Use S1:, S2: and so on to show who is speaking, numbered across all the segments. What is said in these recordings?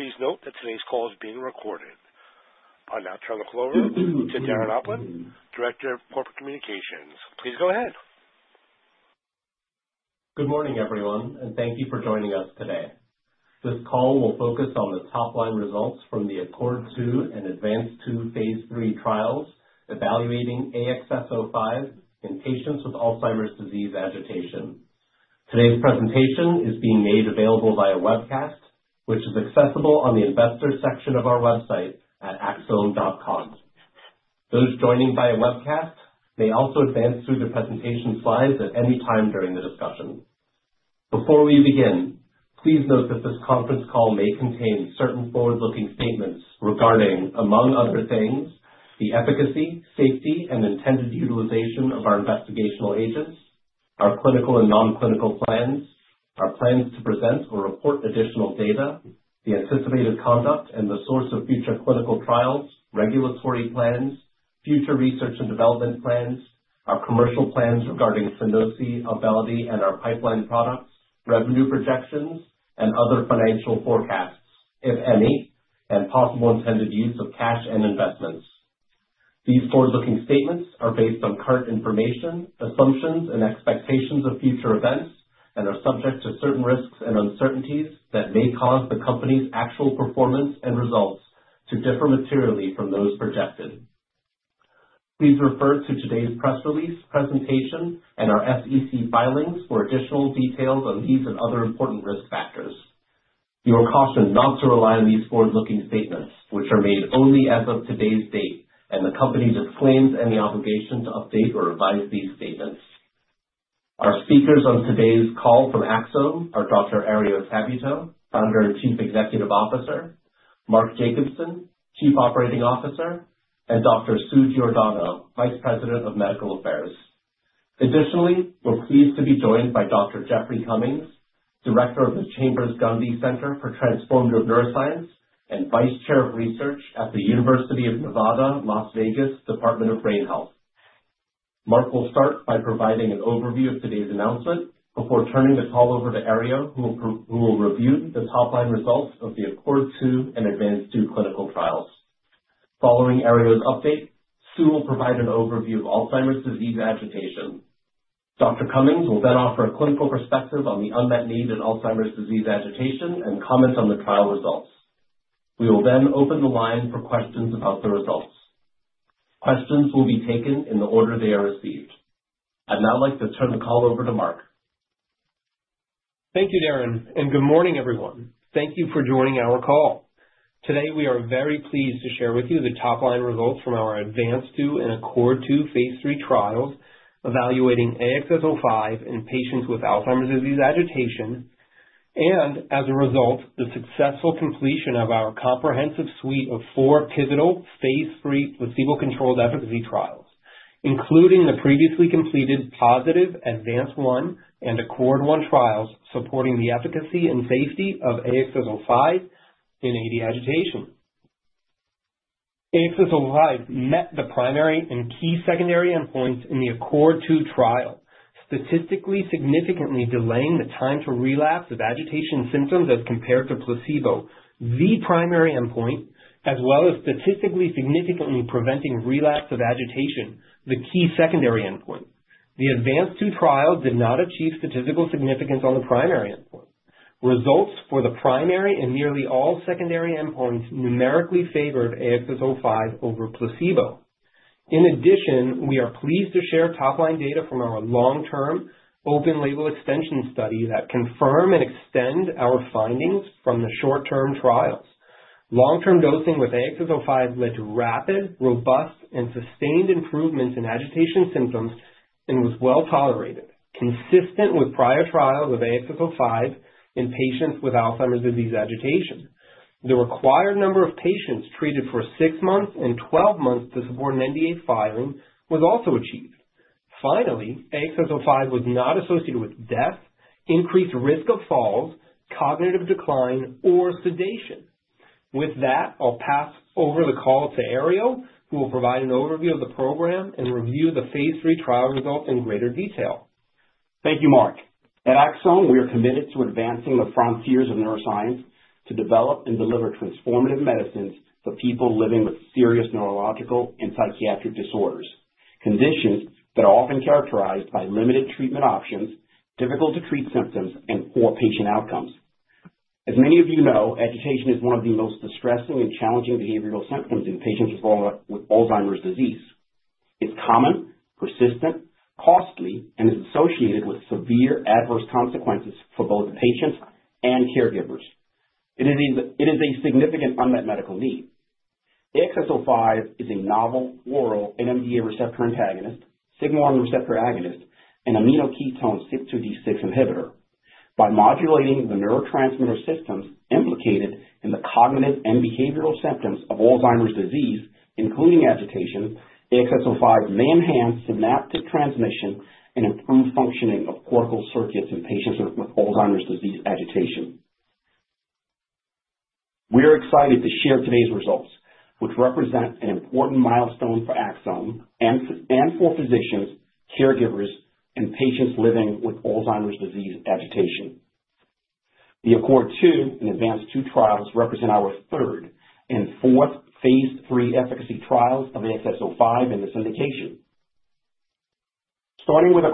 S1: Please note that today's call is being recorded. I'll now turn the floor to Darren Opland, Director of Corporate Communications. Please go ahead.
S2: Good morning, everyone, and thank you for joining us today. This call will focus on the top-line results from the ACCORD-2 and Advance II phase III trials evaluating AXS-05 in patients with Alzheimer's disease agitation. Today's presentation is being made available via webcast, which is accessible on the investor section of our website at axsome.com. Those joining via webcast may also advance through the presentation slides at any time during the discussion. Before we begin, please note that this conference call may contain certain forward-looking statements regarding, among other things, the efficacy, safety, and intended utilization of our investigational agents, our clinical and non-clinical plans, our plans to present or report additional data, the anticipated conduct, and the source of future clinical trials, regulatory plans, future research and development plans, our commercial plans regarding Sunosi, Auvelity, and our pipeline products, revenue projections, and other financial forecasts, if any, and possible intended use of cash and investments. These forward-looking statements are based on current information, assumptions, and expectations of future events, and are subject to certain risks and uncertainties that may cause the company's actual performance and results to differ materially from those projected. Please refer to today's press release, presentation, and our SEC filings for additional details on these and other important risk factors. You are cautioned not to rely on these forward-looking statements, which are made only as of today's date, and the company disclaims any obligation to update or revise these statements. Our speakers on today's call from Axsome are Dr. Herriot Tabuteau, Founder and Chief Executive Officer, Mark Jacobson, Chief Operating Officer, and Dr. Sue Giordano, Vice President of Medical Affairs. Additionally, we're pleased to be joined by Dr. Jeffrey Cummings, Director of the Chambers-Grundy Center for Transformative Neuroscience and Vice Chair of Research at the University of Nevada, Las Vegas Department of Brain Health. Mark will start by providing an overview of today's announcement before turning the call over to Herriot, who will review the top-line results of the ACCORD-2 and Advance II clinical trials. Following Herriot's update, Sue will provide an overview of Alzheimer's disease agitation. Dr. Cummings will then offer a clinical perspective on the unmet need in Alzheimer's disease agitation and comment on the trial results. We will then open the line for questions about the results. Questions will be taken in the order they are received. I'd now like to turn the call over to Mark.
S3: Thank you, Darren, and good morning, everyone. Thank you for joining our call. Today, we are very pleased to share with you the top-line results from our ADVANCE-2 and ACCORD-2 Phase III trials evaluating AXS-05 in patients with Alzheimer's disease agitation and, as a result, the successful completion of our comprehensive suite of four pivotal phase III placebo-controlled efficacy trials, including the previously completed positive ADVANCE-1 and Accord I trials supporting the efficacy and safety of AXS-05 in AD agitation. AXS-05 met the primary and key secondary endpoints in the ACCORD-2 trial, statistically significantly delaying the time to relapse of agitation symptoms as compared to placebo, the primary endpoint, as well as statistically significantly preventing relapse of agitation, the key secondary endpoint. The ADVANCE-2 trial did not achieve statistical significance on the primary endpoint. Results for the primary and nearly all secondary endpoints numerically favored AXS-05 over placebo. In addition, we are pleased to share top-line data from our long-term open-label extension study that confirm and extend our findings from the short-term trials. Long-term dosing with AXS-05 led to rapid, robust, and sustained improvements in agitation symptoms and was well tolerated, consistent with prior trials of AXS-05 in patients with Alzheimer's disease agitation. The required number of patients treated for six months and 12 months to support an NDA filing was also achieved. Finally, AXS-05 was not associated with death, increased risk of falls, cognitive decline, or sedation. With that, I'll pass over the call to Herriot, who will provide an overview of the program and review the Phase III trial results in greater detail.
S4: Thank you, Mark. At Axsome, we are committed to advancing the frontiers of neuroscience to develop and deliver transformative medicines for people living with serious neurological and psychiatric disorders, conditions that are often characterized by limited treatment options, difficult-to-treat symptoms, and poor patient outcomes. As many of you know, agitation is one of the most distressing and challenging behavioral symptoms in patients with Alzheimer's disease. It's common, persistent, costly, and is associated with severe adverse consequences for both patients and caregivers. It is a significant unmet medical need. AXS-05 is a novel oral NMDA receptor antagonist, sigma-1 receptor agonist, and aminoketone CYP2D6 inhibitor. By modulating the neurotransmitter systems implicated in the cognitive and behavioral symptoms of Alzheimer's disease, including agitation, AXS-05 may enhance synaptic transmission and improve functioning of cortical circuits in patients with Alzheimer's disease agitation. We are excited to share today's results, which represent an important milestone for Axsome and for physicians, caregivers, and patients living with Alzheimer's disease agitation. The ACCORD-2 and Advance II trials represent our third and fourth Phase III efficacy trials of AXS-05 in this indication. Starting with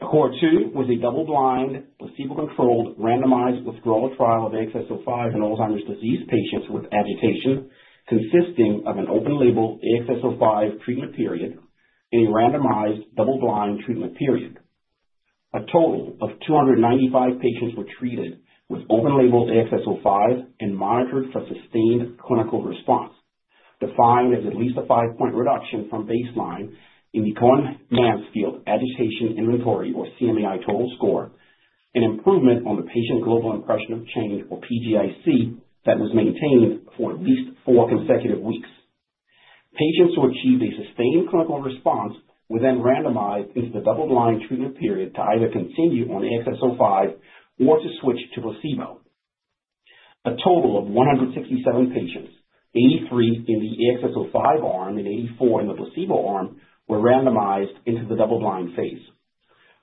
S4: ACCORD-2, ACCORD-2 was a double-blind, placebo-controlled, randomized withdrawal trial of AXS-05 in Alzheimer's disease patients with agitation, consisting of an open-label AXS-05 treatment period and a randomized double-blind treatment period. A total of 295 patients were treated with open-label AXS-05 and monitored for sustained clinical response, defined as at least a five-point reduction from baseline in the Cohen-Mansfield Agitation Inventory, or CMAI, total score, an improvement on the Patient Global Impression of Change, or PGIC, that was maintained for at least four consecutive weeks. Patients who achieved a sustained clinical response were then randomized into the double-blind treatment period to either continue on AXS-05 or to switch to placebo. A total of 167 patients, 83 in the AXS-05 arm and 84 in the placebo arm, were randomized into the double-blind phase.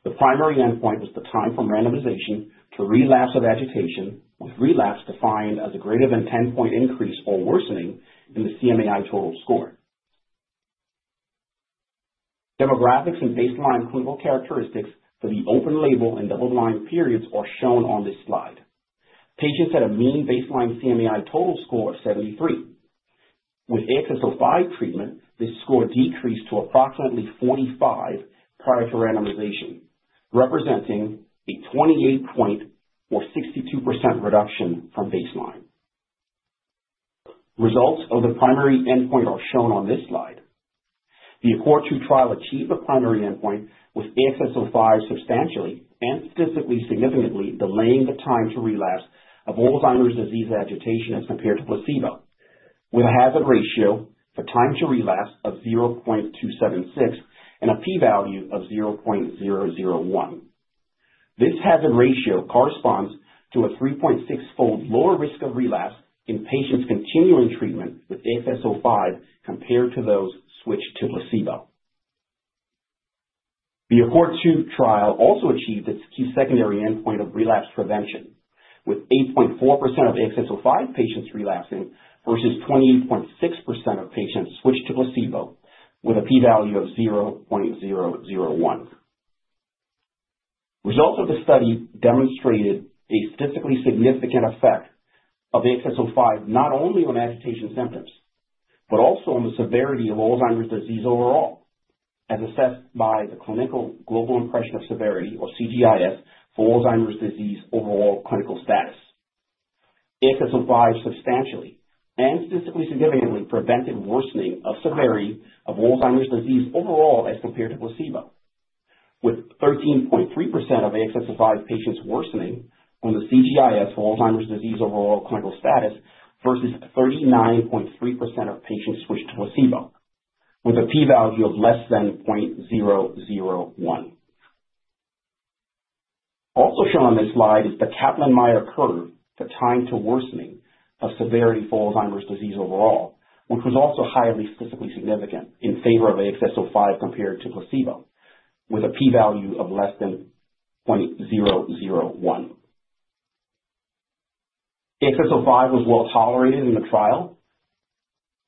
S4: The primary endpoint was the time from randomization to relapse of agitation, with relapse defined as a greater than 10-point increase or worsening in the CMAI total score. Demographics and baseline clinical characteristics for the open-label and double-blind periods are shown on this slide. Patients had a mean baseline CMAI total score of 73. With AXS-05 treatment, this score decreased to approximately 45 prior to randomization, representing a 28-point or 62% reduction from baseline. Results of the primary endpoint are shown on this slide. The ACCORD-2 trial achieved the primary endpoint with AXS-05 substantially and statistically significantly delaying the time to relapse of Alzheimer's disease agitation as compared to placebo, with a hazard ratio for time to relapse of 0.276 and a p-value of 0.001. This hazard ratio corresponds to a 3.6-fold lower risk of relapse in patients continuing treatment with AXS-05 compared to those switched to placebo. The ACCORD-2 trial also achieved its key secondary endpoint of relapse prevention, with 8.4% of AXS-05 patients relapsing versus 28.6% of patients switched to placebo, with a p-value of 0.001. Results of the study demonstrated a statistically significant effect of AXS-05 not only on agitation symptoms but also on the severity of Alzheimer's disease overall, as assessed by the Clinical Global Impression of Severity, or CGI-S, for Alzheimer's disease overall clinical status. AXS-05 substantially and statistically significantly prevented worsening of severity of Alzheimer's disease overall as compared to placebo, with 13.3% of AXS-05 patients worsening on the CGI-S for Alzheimer's disease overall clinical status versus 39.3% of patients switched to placebo, with a p-value of less than 0.001. Also shown on this slide is the Kaplan-Meier curve, the time to worsening of severity for Alzheimer's disease overall, which was also highly statistically significant in favor of AXS-05 compared to placebo, with a p-value of less than 0.001. AXS-05 was well tolerated in the trial,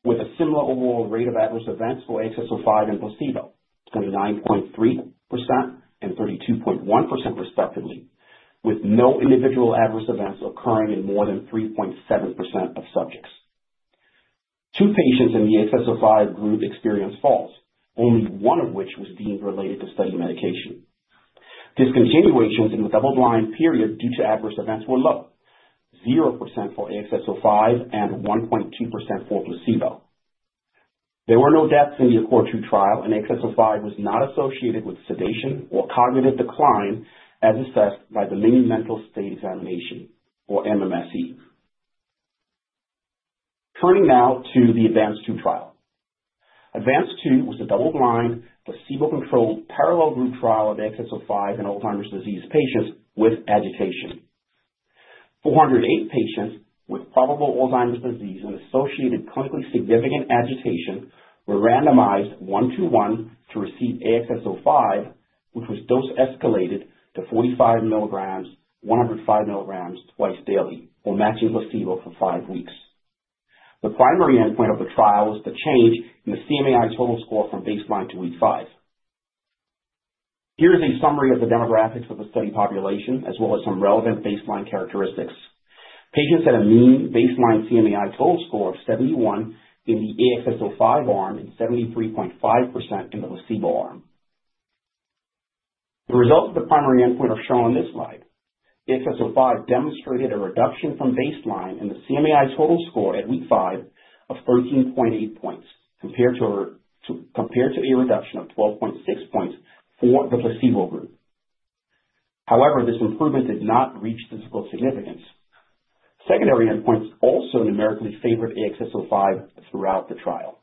S4: with a similar overall rate of adverse events for AXS-05 and placebo, 29.3% and 32.1% respectively, with no individual adverse events occurring in more than 3.7% of subjects. Two patients in the AXS-05 group experienced falls, only one of which was deemed related to study medication. Discontinuations in the double-blind period due to adverse events were low, 0% for AXS-05 and 1.2% for placebo. There were no deaths in the ACCORD-2 trial, and AXS-05 was not associated with sedation or cognitive decline as assessed by the Mini-Mental State Examination, or MMSE. Turning now to the Advance II trial. Advance II was a double-blind, placebo-controlled, parallel group trial of AXS-05 in Alzheimer's disease patients with agitation. 408 patients with probable Alzheimer's disease and associated clinically significant agitation were randomized one-to-one to receive AXS-05, which was dose-escalated to 45 milligrams, 105 milligrams twice daily, while matching placebo for five weeks. The primary endpoint of the trial was the change in the CMAI total score from baseline to week five. Here is a summary of the demographics of the study population, as well as some relevant baseline characteristics. Patients had a mean baseline CMAI total score of 71 in the AXS-05 arm and 73.5 in the placebo arm. The results of the primary endpoint are shown on this slide. AXS-05 demonstrated a reduction from baseline in the CMAI total score at week five of 13.8 points compared to a reduction of 12.6 points for the placebo group. However, this improvement did not reach statistical significance. Secondary endpoints also numerically favored AXS-05 throughout the trial.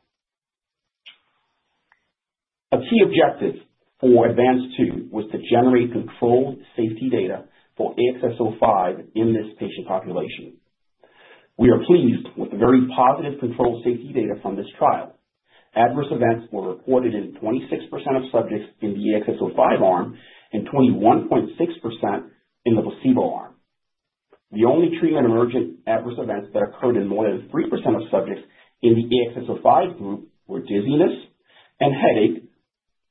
S4: A key objective for Advance II was to generate controlled safety data for AXS-05 in this patient population. We are pleased with very positive controlled safety data from this trial. Adverse events were reported in 26% of subjects in the AXS-05 arm and 21.6% in the placebo arm. The only treatment-emergent adverse events that occurred in more than 3% of subjects in the AXS-05 group were dizziness and headache,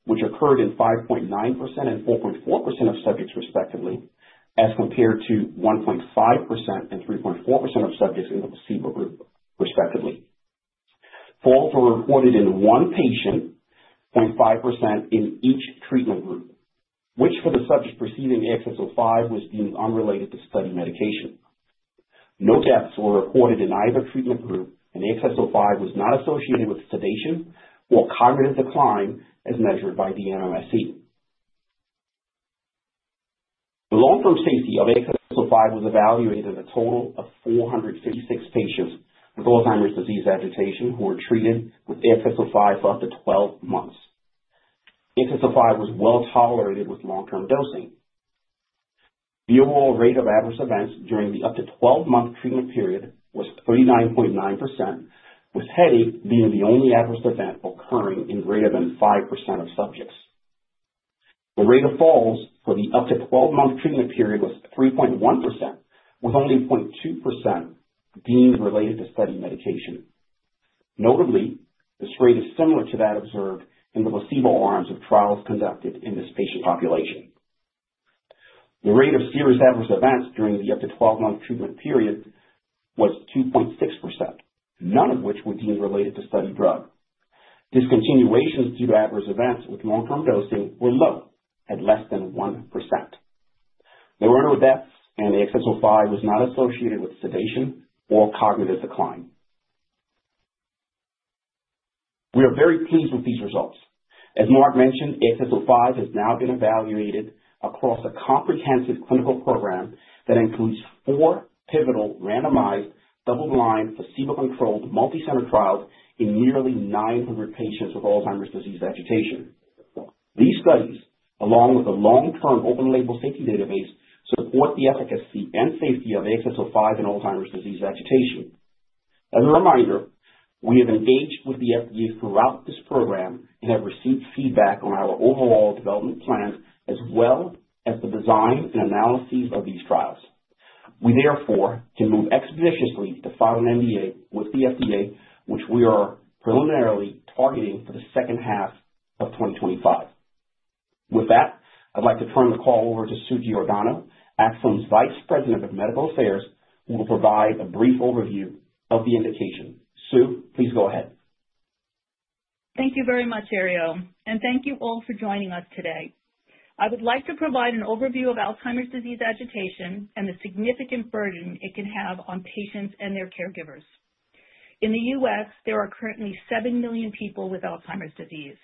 S4: which occurred in 5.9% and 4.4% of subjects, respectively, as compared to 1.5% and 3.4% of subjects in the placebo group, respectively. Falls were reported in one patient, 0.5% in each treatment group, which for the subject receiving AXS-05 was deemed unrelated to study medication. No deaths were reported in either treatment group, and AXS-05 was not associated with sedation or cognitive decline as measured by the MMSE. The long-term safety of AXS-05 was evaluated in a total of 456 patients with Alzheimer's disease agitation who were treated with AXS-05 for up to 12 months. AXS-05 was well tolerated with long-term dosing. The overall rate of adverse events during the up to 12-month treatment period was 39.9%, with headache being the only adverse event occurring in greater than 5% of subjects. The rate of falls for the up to 12-month treatment period was 3.1%, with only 0.2% deemed related to study medication. Notably, this rate is similar to that observed in the placebo arms of trials conducted in this patient population. The rate of serious adverse events during the up to 12-month treatment period was 2.6%, none of which were deemed related to study drug. Discontinuations due to adverse events with long-term dosing were low, at less than 1%. There were no deaths, and AXS-05 was not associated with sedation or cognitive decline. We are very pleased with these results. As Mark mentioned, AXS-05 has now been evaluated across a comprehensive clinical program that includes four pivotal randomized double-blind placebo-controlled multicenter trials in nearly 900 patients with Alzheimer's disease agitation. These studies, along with the long-term open-label safety database, support the efficacy and safety of AXS-05 in Alzheimer's disease agitation. As a reminder, we have engaged with the FDA throughout this program and have received feedback on our overall development plans as well as the design and analyses of these trials. We, therefore, can move expeditiously to file an NDA with the FDA, which we are preliminarily targeting for the second half of 2025. With that, I'd like to turn the call over to Sue Giordano, Axsome's Vice President of Medical Affairs, who will provide a brief overview of the indication. Sue, please go ahead.
S5: Thank you very much, Herriot, and thank you all for joining us today. I would like to provide an overview of Alzheimer's disease agitation and the significant burden it can have on patients and their caregivers. In the U.S., there are currently seven million people with Alzheimer's disease,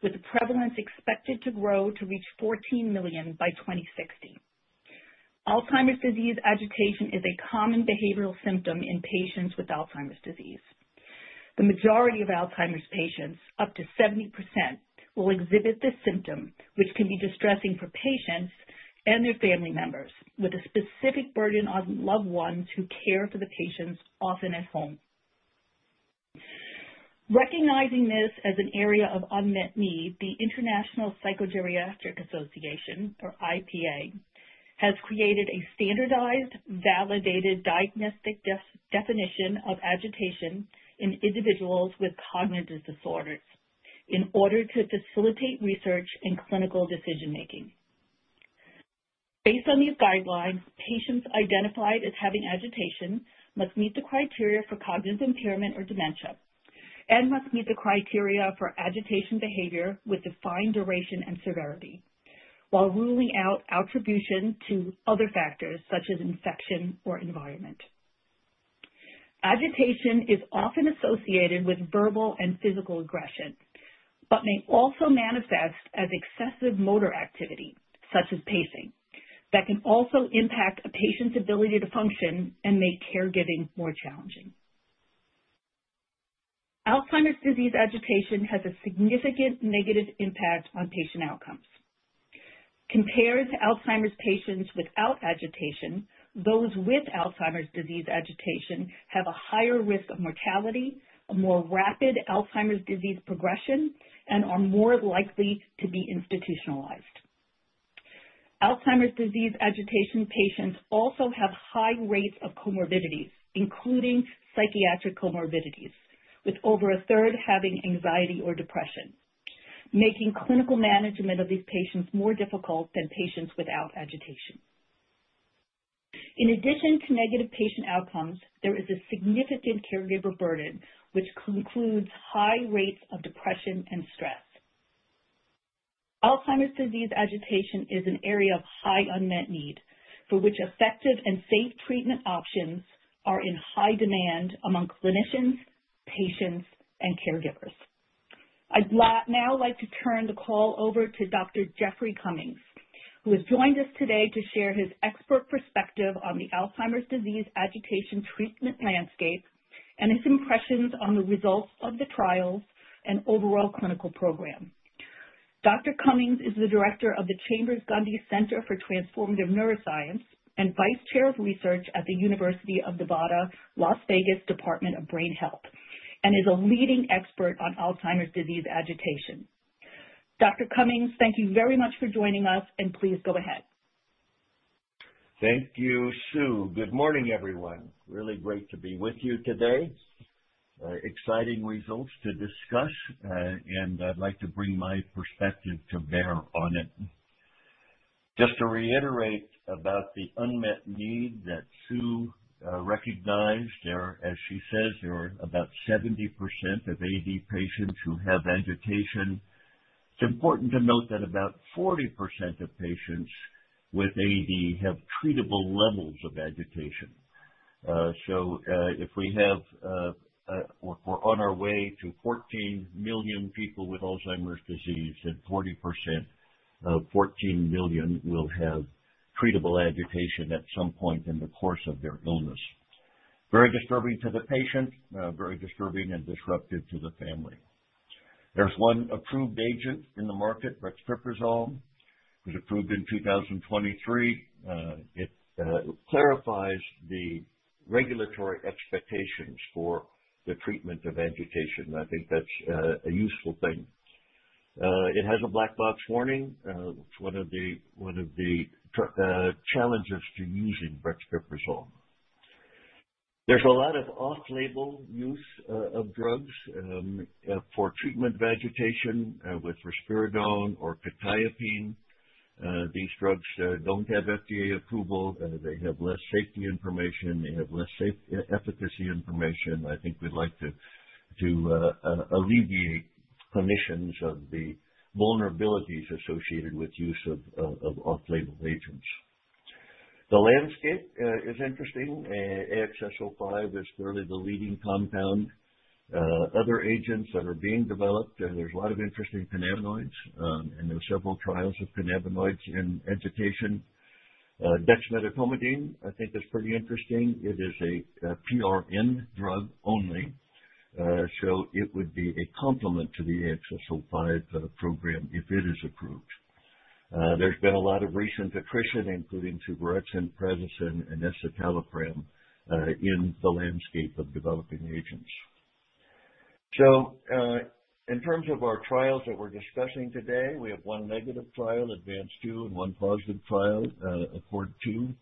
S5: with the prevalence expected to grow to reach 14 million by 2060. Alzheimer's disease agitation is a common behavioral symptom in patients with Alzheimer's disease. The majority of Alzheimer's patients, up to 70%, will exhibit this symptom, which can be distressing for patients and their family members, with a specific burden on loved ones who care for the patients, often at home. Recognizing this as an area of unmet need, the International Psychogeriatric Association, or IPA, has created a standardized, validated diagnostic definition of agitation in individuals with cognitive disorders in order to facilitate research and clinical decision-making. Based on these guidelines, patients identified as having agitation must meet the criteria for cognitive impairment or dementia and must meet the criteria for agitation behavior with defined duration and severity, while ruling out attribution to other factors such as infection or environment. Agitation is often associated with verbal and physical aggression but may also manifest as excessive motor activity, such as pacing, that can also impact a patient's ability to function and make caregiving more challenging. Alzheimer's disease agitation has a significant negative impact on patient outcomes. Compared to Alzheimer's patients without agitation, those with Alzheimer's disease agitation have a higher risk of mortality, a more rapid Alzheimer's disease progression, and are more likely to be institutionalized. Alzheimer's disease agitation patients also have high rates of comorbidities, including psychiatric comorbidities, with over a third having anxiety or depression, making clinical management of these patients more difficult than patients without agitation. In addition to negative patient outcomes, there is a significant caregiver burden, which includes high rates of depression and stress. Alzheimer's disease agitation is an area of high unmet need, for which effective and safe treatment options are in high demand among clinicians, patients, and caregivers. I'd now like to turn the call over to Dr. Jeffrey Cummings, who has joined us today to share his expert perspective on the Alzheimer's disease agitation treatment landscape and his impressions on the results of the trials and overall clinical program. Dr. Cummings is the director of the Chambers-Grundy Center for Transformative Neuroscience and Vice Chair of Research at the University of Nevada, Las Vegas Department of Brain Health, and is a leading expert on Alzheimer's disease agitation. Dr. Cummings, thank you very much for joining us, and please go ahead.
S6: Thank you, Sue. Good morning, everyone. Really great to be with you today. Exciting results to discuss, and I'd like to bring my perspective to bear on it. Just to reiterate about the unmet need that Sue recognized, as she says, there are about 70% of AD patients who have agitation. It's important to note that about 40% of patients with AD have treatable levels of agitation. So if we have, or if we're on our way to 14 million people with Alzheimer's disease, then 40% of 14 million will have treatable agitation at some point in the course of their illness. Very disturbing to the patient, very disturbing and disruptive to the family. There's one approved agent in the market, brexpiprazole, which was approved in 2023. It clarifies the regulatory expectations for the treatment of agitation, and I think that's a useful thing. It has a black box warning, which is one of the challenges to using brexpiprazole. There's a lot of off-label use of drugs for treatment of agitation, with risperidone or quetiapine. These drugs don't have FDA approval. They have less safety information. They have less efficacy information. I think we'd like to alleviate clinicians of the vulnerabilities associated with the use of off-label agents. The landscape is interesting. AXS-05 is clearly the leading compound. Other agents that are being developed, and there's a lot of interesting cannabinoids, and there are several trials of cannabinoids in agitation. Dexmedetomidine, I think, is pretty interesting. It is a PRN drug only, so it would be a complement to the AXS-05 program if it is approved. There's been a lot of recent attrition, including suvorexant, prazosin, and escitalopram, in the landscape of developing agents. So in terms of our trials that we're discussing today, we have one negative trial, Advance II, and one positive trial, ACCORD-2.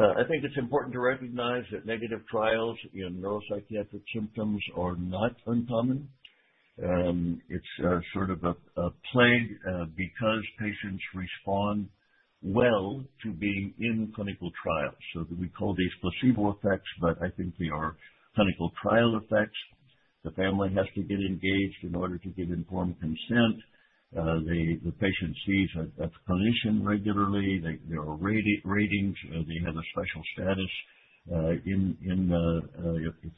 S6: I think it's important to recognize that negative trials in neuropsychiatric symptoms are not uncommon. It's sort of a plague because patients respond well to being in clinical trials. So we call these placebo effects, but I think they are clinical trial effects. The family has to get engaged in order to get informed consent. The patient sees a clinician regularly. There are ratings. They have a special status if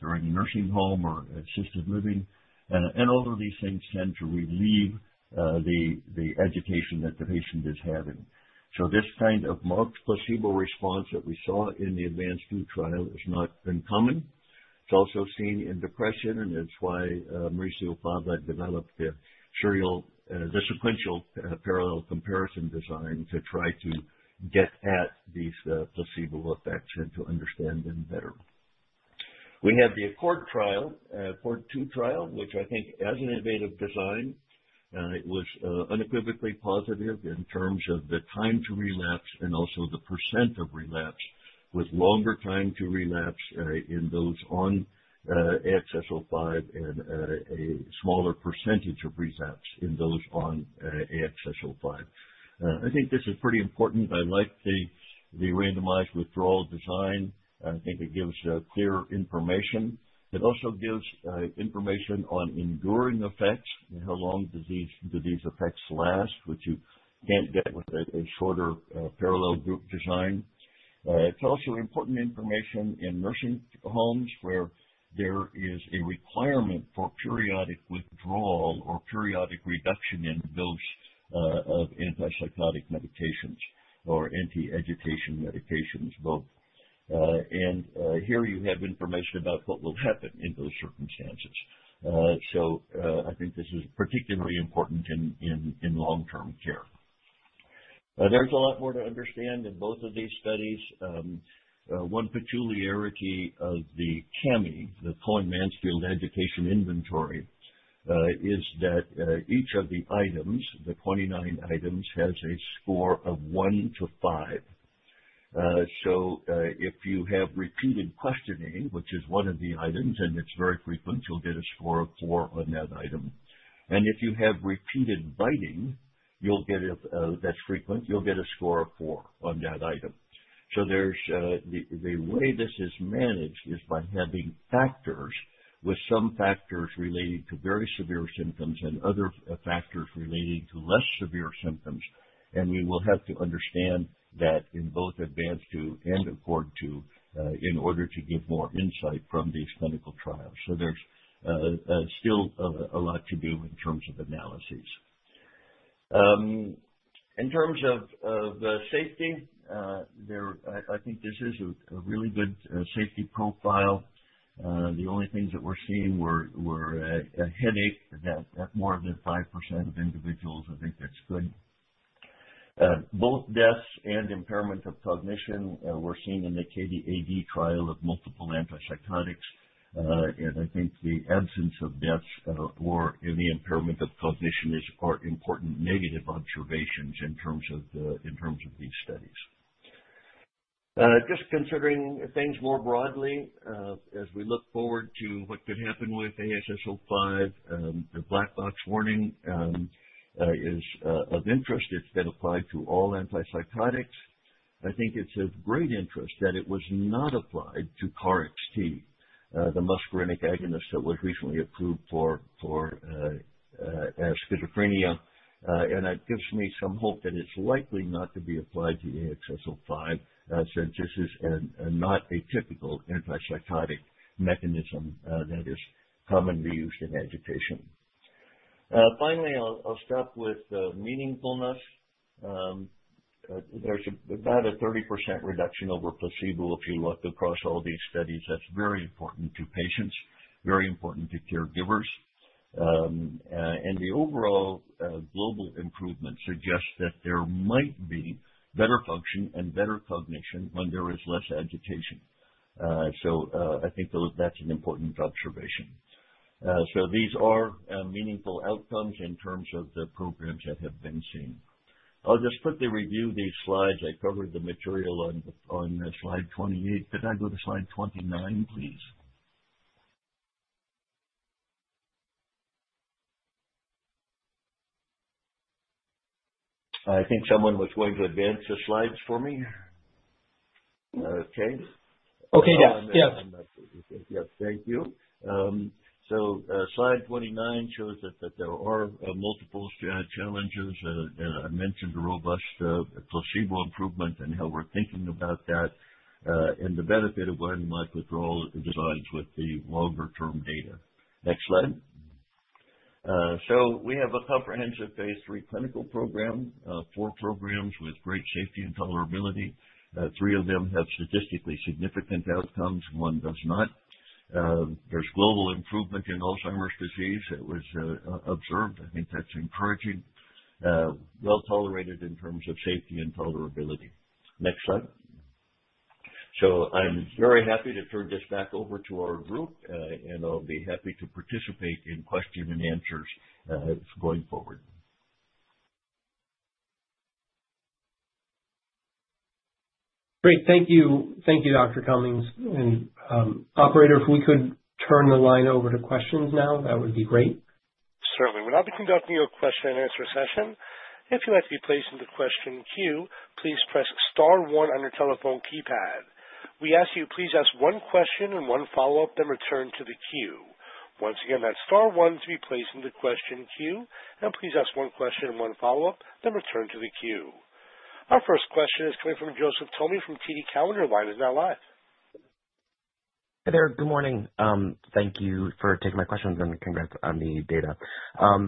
S6: they're in a nursing home or assisted living. And all of these things tend to relieve the agitation that the patient is having. So this kind of placebo response that we saw in the Advance II trial is not uncommon. It's also seen in depression, and it's why Maurizio Fava developed the sequential parallel comparison design to try to get at these placebo effects and to understand them better. We have the ACCORD-1 trial, ACCORD-2 trial, which I think, as an innovative design, it was unequivocally positive in terms of the time to relapse and also the percent of relapse, with longer time to relapse in those on AXS-05 and a smaller percentage of relapse in those on AXS-05. I think this is pretty important. I like the randomized withdrawal design. I think it gives clear information. It also gives information on enduring effects, how long these effects last, which you can't get with a shorter parallel group design. It's also important information in nursing homes where there is a requirement for periodic withdrawal or periodic reduction in dose of antipsychotic medications or anti-agitation medications both. Here you have information about what will happen in those circumstances. I think this is particularly important in long-term care. There's a lot more to understand in both of these studies. One peculiarity of the CMAI, the Cohen-Mansfield Agitation Inventory, is that each of the items, the 29 items, has a score of one to five. If you have repeated questioning, which is one of the items, and it's very frequent, you'll get a score of four on that item. If you have repeated biting, that's frequent, you'll get a score of four on that item. The way this is managed is by having factors, with some factors related to very severe symptoms and other factors relating to less severe symptoms. We will have to understand that in both Advance II and ACCORD-2 in order to give more insight from these clinical trials. There's still a lot to do in terms of analyses. In terms of safety, I think this is a really good safety profile. The only things that we're seeing were a headache at more than 5% of individuals. I think that's good. Both deaths and impairment of cognition were seen in the CATIE-AD trial of multiple antipsychotics. I think the absence of deaths or any impairment of cognition are important negative observations in terms of these studies. Just considering things more broadly, as we look forward to what could happen with AXS-05, the black box warning is of interest. It's been applied to all antipsychotics. I think it's of great interest that it was not applied to KarXT, the muscarinic agonist that was recently approved for schizophrenia. And it gives me some hope that it's likely not to be applied to AXS-05, since this is not a typical antipsychotic mechanism that is commonly used in agitation. Finally, I'll stop with meaningfulness. There's about a 30% reduction over placebo if you look across all these studies. That's very important to patients, very important to caregivers. And the overall global improvement suggests that there might be better function and better cognition when there is less agitation. So I think that's an important observation. So these are meaningful outcomes in terms of the programs that have been seen. I'll just quickly review these slides. I covered the material on slide 28. Could I go to slide 29, please? I think someone was going to advance the slides for me. Okay.
S3: Okay. Yeah.
S6: Yes. Thank you. So slide 29 shows that there are multiple challenges. I mentioned robust placebo improvement and how we're thinking about that and the benefit of randomized withdrawal. Resides with the longer-term data. Next slide. So we have a comprehensive Phase III clinical program, four programs with great safety and tolerability. Three of them have statistically significant outcomes. One does not. There's global improvement in Alzheimer's disease that was observed. I think that's encouraging, well tolerated in terms of safety and tolerability. Next slide. So I'm very happy to turn this back over to our group, and I'll be happy to participate in question and answers going forward.
S3: Great. Thank you. Thank you, Dr. Cummings. And Operator, if we could turn the line over to questions now, that would be great.
S1: Certainly. We're now conducting a question and answer session. If you'd like to be placed in the question queue, please press star 1 on your telephone keypad. We ask you to please ask one question and one follow-up, then return to the queue. Once again, that's star 1 to be placed in the question queue, and please ask one question and one follow-up, then return to the queue. Our first question is coming from Joseph Thome from TD Cowen. He's now live.
S7: Hey there. Good morning. Thank you for taking my questions and congrats on the data.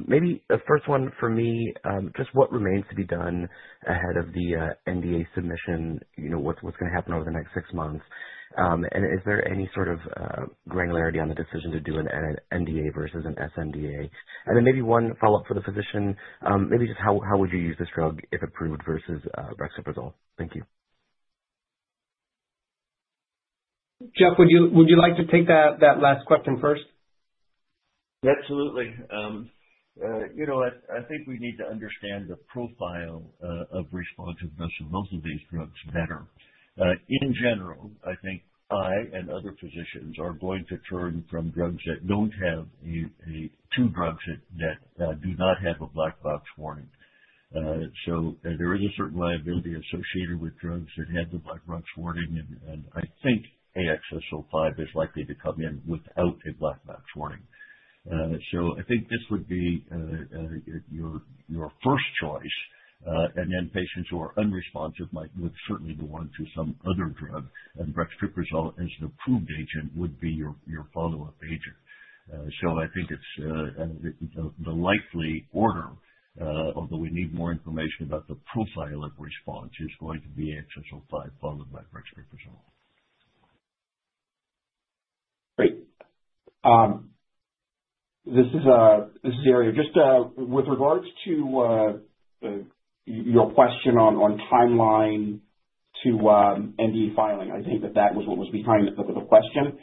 S7: Maybe a first one for me, just what remains to be done ahead of the NDA submission, what's going to happen over the next six months? And is there any sort of granularity on the decision to do an NDA versus an SNDA? And then maybe one follow-up for the physician, maybe just how would you use this drug if approved versus brexpiprazole? Thank you.
S3: Jeff, would you like to take that last question first?
S6: Absolutely. You know what? I think we need to understand the profile of responsiveness of most of these drugs better. In general, I think I and other physicians are going to turn from drugs that do have to drugs that do not have a black box warning. So there is a certain liability associated with drugs that have the black box warning, and I think AXS-05 is likely to come in without a black box warning. So I think this would be your first choice, and then patients who are unresponsive would certainly go on to some other drug, and brexpiprazole as an approved agent would be your follow-up agent. So I think it's the likely order, although we need more information about the profile of response, is going to be AXS-05 followed by brexpiprazole.
S8: Great. This is Jerry. Just with regards to your question on timeline to NDA filing, I think that that was what was behind the question.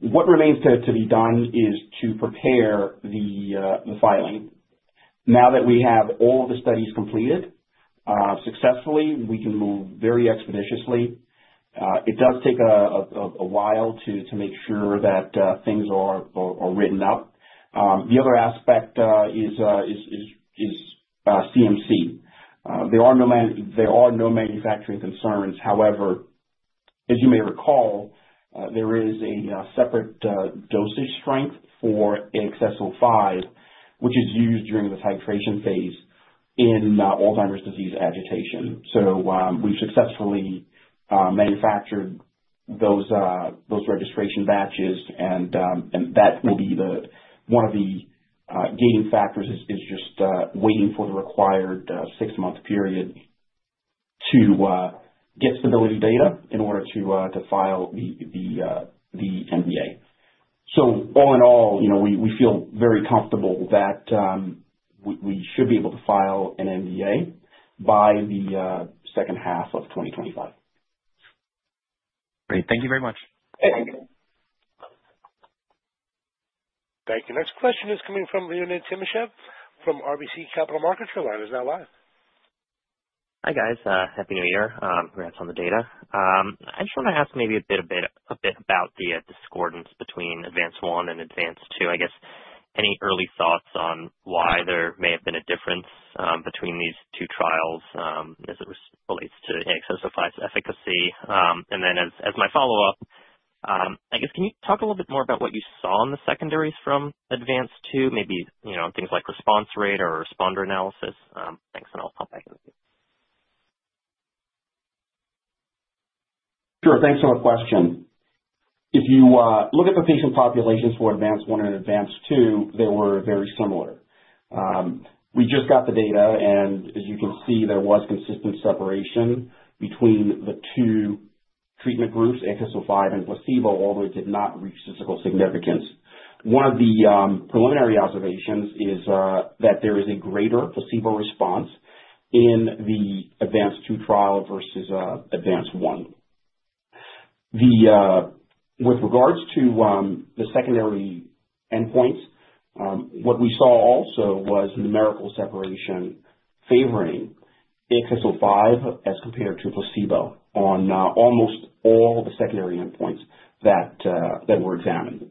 S8: What remains to be done is to prepare the filing. Now that we have all of the studies completed successfully, we can move very expeditiously. It does take a while to make sure that things are written up. The other aspect is CMC. There are no manufacturing concerns. However, as you may recall, there is a separate dosage strength for AXS-05, which is used during the titration phase in Alzheimer's disease agitation. So we've successfully manufactured those registration batches, and that will be one of the gating factors is just waiting for the required six-month period to get stability data in order to file the NDA.
S7: So all in all, we feel very comfortable that we should be able to file an NDA by the second half of 2025.
S8: Great. Thank you very much.
S1: Thank you. Thank you. Next question is coming from Leonid Timashev from RBC Capital Markets. He's now live.
S9: Hi guys. Happy New Year. Congrats on the data. I just want to ask maybe a bit about the discordance between Advance I and Advance II. I guess any early thoughts on why there may have been a difference between these two trials as it relates to AXS-05's efficacy? And then as my follow-up, I guess can you talk a little bit more about what you saw in the secondaries from Advance II, maybe things like response rate or responder analysis? Thanks, and I'll pop back in with you.
S3: Sure. Thanks for the question. If you look at the patient populations for Advance I and Advance II, they were very similar. We just got the data, and as you can see, there was consistent separation between the two treatment groups, AXS-05 and placebo, although it did not reach statistical significance. One of the preliminary observations is that there is a greater placebo response in the Advance II trial versus Advance I. With regards to the secondary endpoints, what we saw also was numerical separation favoring AXS-05 as compared to placebo on almost all the secondary endpoints that were examined.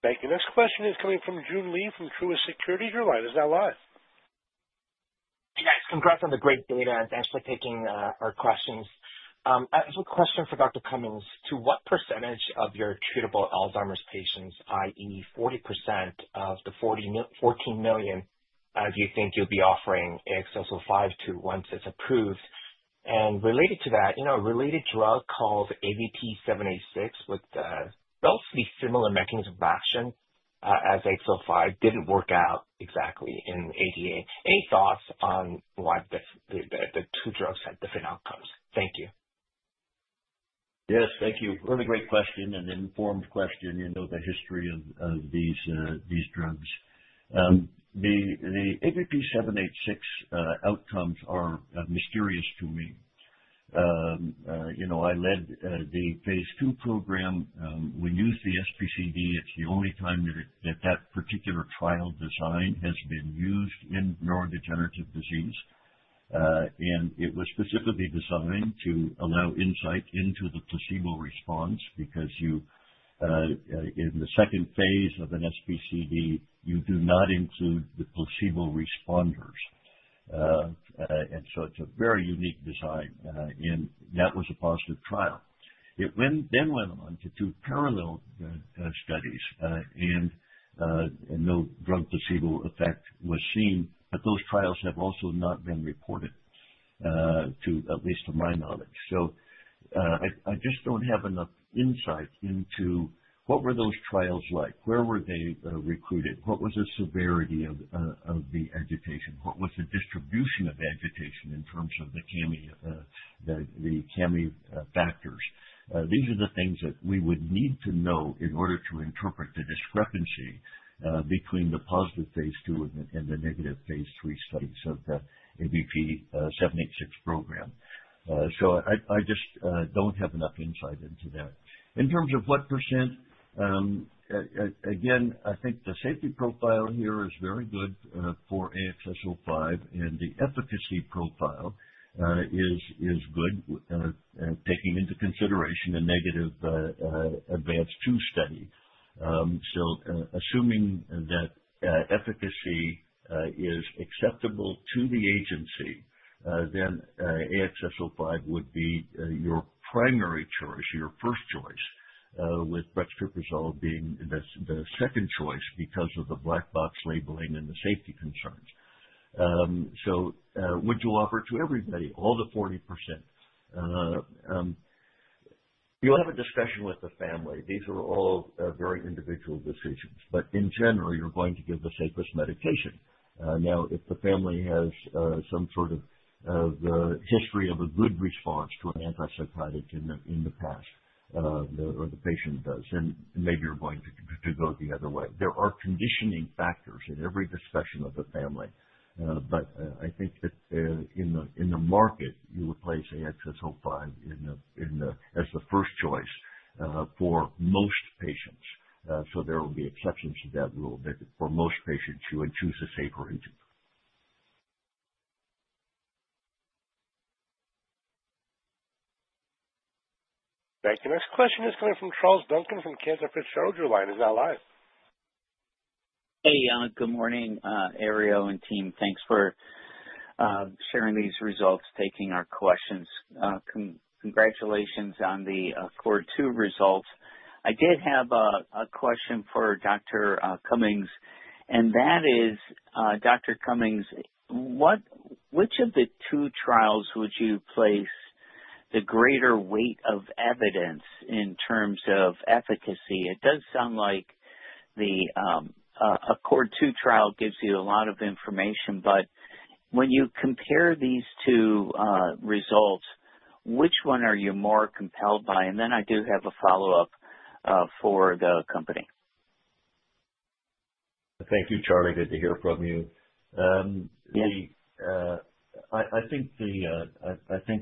S1: Thank you. Next question is coming from Joon Lee from Truist Securities. You're live. Is now live.
S10: Hey guys. Congrats on the great data. Thanks for taking our questions. I have a question for Dr. Cummings. To what percentage of your treatable Alzheimer's patients, i.e., 40% of the 14 million, do you think you'll be offering AXS-05 to once it's approved? And related to that, a related drug called AVP-786 with a relatively similar mechanism of action as AXS-05 didn't work out exactly in ADA. Any thoughts on why the two drugs had different outcomes? Thank you.
S6: Yes. Thank you. Really great question and informed question. You know the history of these drugs. The AVP-786 outcomes are mysterious to me. I led the Phase II program. We used the SPCD. It's the only time that that particular trial design has been used in neurodegenerative disease. And it was specifically designed to allow insight into the placebo response because in the second phase of an SPCD, you do not include the placebo responders. And so it's a very unique design. And that was a positive trial. It then went on to do parallel studies, and no drug placebo effect was seen. But those trials have also not been reported, at least to my knowledge. So I just don't have enough insight into what were those trials like, where were they recruited, what was the severity of the agitation, what was the distribution of agitation in terms of the CMAI factors. These are the things that we would need to know in order to interpret the discrepancy between the positive Phase II and the negative Phase III studies of the AVP-786 program. So I just don't have enough insight into that. In terms of what percent, again, I think the safety profile here is very good for AXS-05, and the efficacy profile is good, taking into consideration a negative Advance II study. So assuming that efficacy is acceptable to the agency, then AXS-05 would be your primary choice, your first choice, with brexpiprazole being the second choice because of the black box labeling and the safety concerns. So, would you offer to everybody, all the 40%? You'll have a discussion with the family. These are all very individual decisions. But in general, you're going to give the safest medication. Now, if the family has some sort of history of a good response to an antipsychotic in the past or the patient does, then maybe you're going to go the other way. There are conditioning factors in every discussion of the family. But I think that in the market, you would place AXS-05 as the first choice for most patients. So there will be exceptions to that rule, but for most patients, you would choose a safer agent.
S1: Thank you. Next question is coming from Charles Duncan from Cantor Fitzgerald. He's now live.
S11: Hey. Good morning, Herriot and team. Thanks for sharing these results, taking our questions. Congratulations on the ACCORD-2 results. I did have a question for Dr. Cummings, and that is, Dr. Cummings, which of the two trials would you place the greater weight of evidence in terms of efficacy? It does sound like the ACCORD-2 trial gives you a lot of information, but when you compare these two results, which one are you more compelled by? And then I do have a follow-up for the company.
S6: Thank you, Charlie. Good to hear from you. I think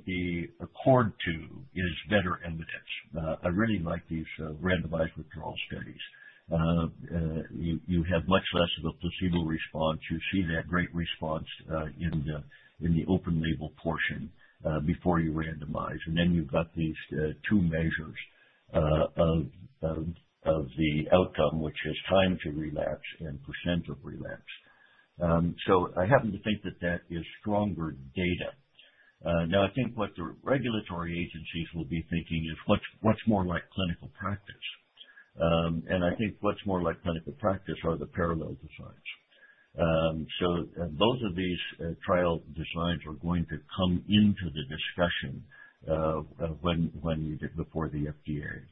S6: the ACCORD-2 is better evidence. I really like these randomized withdrawal studies. You have much less of a placebo response. You see that great response in the open label portion before you randomize. And then you've got these two measures of the outcome, which is time to relapse and percent of relapse. So I happen to think that that is stronger data. Now, I think what the regulatory agencies will be thinking is what's more like clinical practice. And I think what's more like clinical practice are the parallel designs. So both of these trial designs are going to come into the discussion before the FDA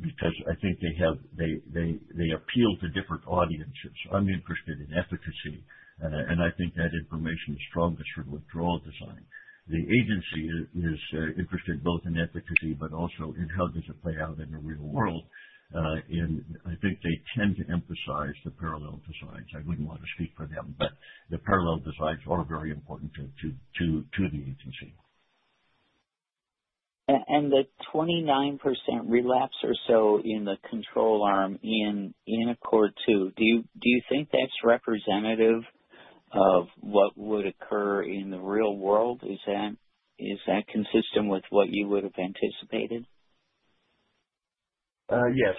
S6: because I think they appeal to different audiences. I'm interested in efficacy, and I think that information is strongest for withdrawal design. The agency is interested both in efficacy but also in how does it play out in the real world, and I think they tend to emphasize the parallel designs. I wouldn't want to speak for them, but the parallel designs are very important to the agency.
S10: The 29% relapse or so in the control arm in ACCORD-2, do you think that's representative of what would occur in the real world? Is that consistent with what you would have anticipated?
S6: Yes.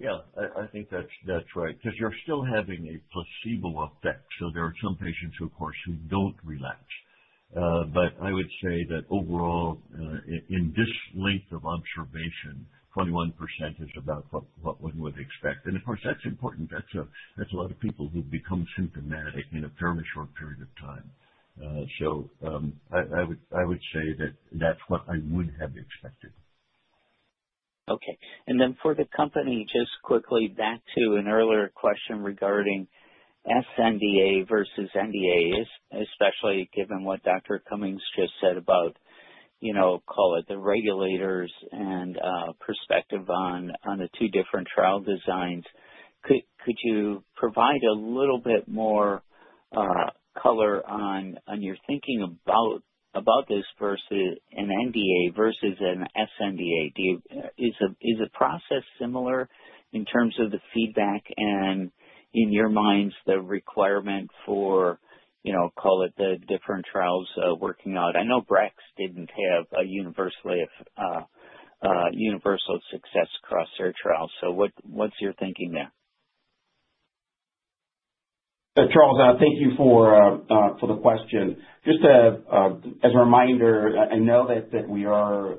S6: Yeah. I think that's right because you're still having a placebo effect. So there are some patients, of course, who don't relapse. But I would say that overall, in this length of observation, 21% is about what one would expect. And of course, that's important. That's a lot of people who become symptomatic in a fairly short period of time. So I would say that that's what I would have expected.
S10: Okay. And then for the company, just quickly back to an earlier question regarding SNDA versus NDA, especially given what Dr. Cummings just said about, call it, the regulators and perspective on the two different trial designs. Could you provide a little bit more color on your thinking about this versus an NDA versus an SNDA? Is the process similar in terms of the feedback and, in your minds, the requirement for, call it, the different trials working out? I know Brex didn't have a universal success across their trial. So what's your thinking there?
S3: Charles, thank you for the question. Just as a reminder, I know that we are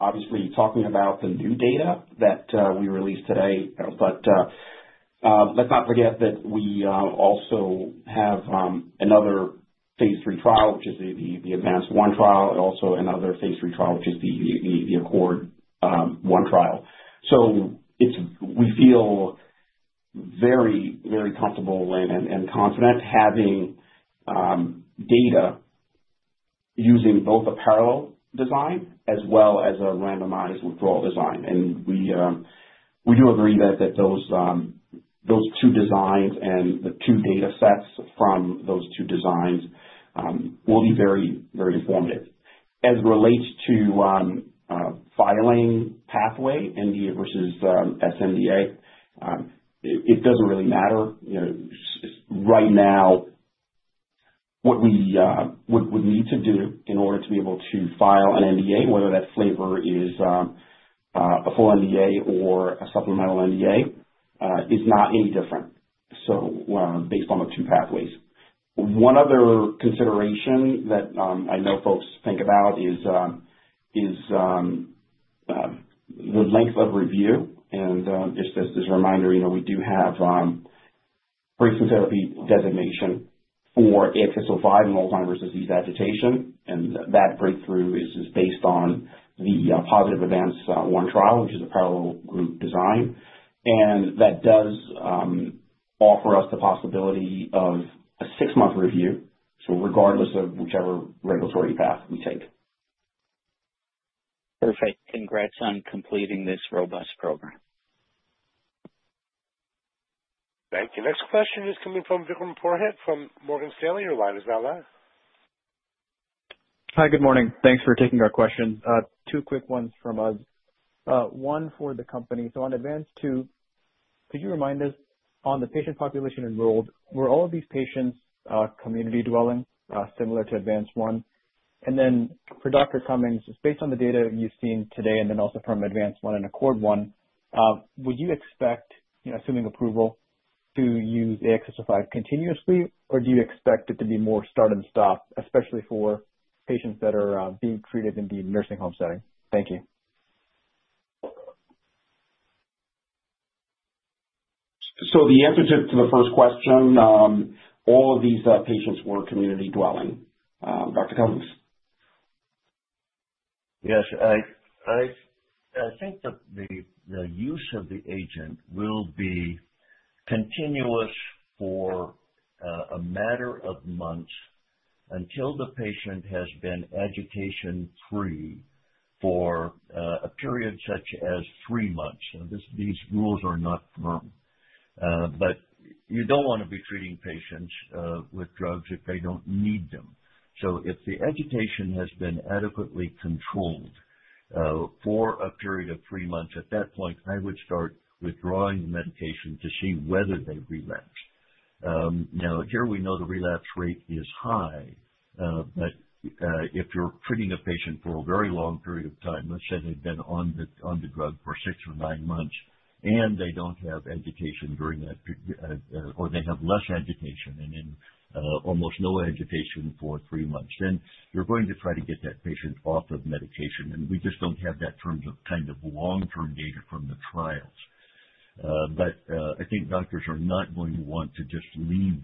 S3: obviously talking about the new data that we released today. Let's not forget that we also have another Phase III trial, which is the Advance I trial, and also another Phase III trial, which is the Accord I trial. We feel very, very comfortable and confident having data using both a parallel design as well as a randomized withdrawal design. We do agree that those two designs and the two data sets from those two designs will be very, very informative. As it relates to filing pathway NDA versus SNDA, it doesn't really matter. Right now, what we would need to do in order to be able to file an NDA, whether that flavor is a full NDA or a supplemental NDA, is not any different based on the two pathways. One other consideration that I know folks think about is the length of review. And just as a reminder, we do have breakthrough therapy designation for AXS-05 and Alzheimer's disease agitation. And that breakthrough is based on the positive Advance I trial, which is a parallel group design. And that does offer us the possibility of a six-month review, so regardless of whichever regulatory path we take.
S10: Perfect. Congrats on completing this robust program.
S1: Thank you. Next question is coming from Vikram Purohit from Morgan Stanley. You're live. He's now live.
S12: Hi. Good morning. Thanks for taking our questions. Two quick ones from us. One for the company. So on Advance II, could you remind us on the patient population enrolled, were all of these patients community dwelling, similar to Advance I? And then for Dr. Cummings, based on the data you've seen today and then also from Advance I and Accord I, would you expect, assuming approval, to use AXS-05 continuously, or do you expect it to be more start and stop, especially for patients that are being treated in the nursing home setting? Thank you.
S3: So the answer to the first question, all of these patients were community dwelling. Dr. Cummings?
S6: Yes. I think that the use of the agent will be continuous for a matter of months until the patient has been agitation-free for a period such as three months. These rules are not firm. But you don't want to be treating patients with drugs if they don't need them. So if the agitation has been adequately controlled for a period of three months, at that point, I would start withdrawing the medication to see whether they relapse. Now, here we know the relapse rate is high. But if you're treating a patient for a very long period of time, let's say they've been on the drug for six or nine months, and they don't have agitation during that period, or they have less agitation and almost no agitation for three months, then you're going to try to get that patient off of medication. And we just don't have that kind of long-term data from the trials. But I think doctors are not going to want to just leave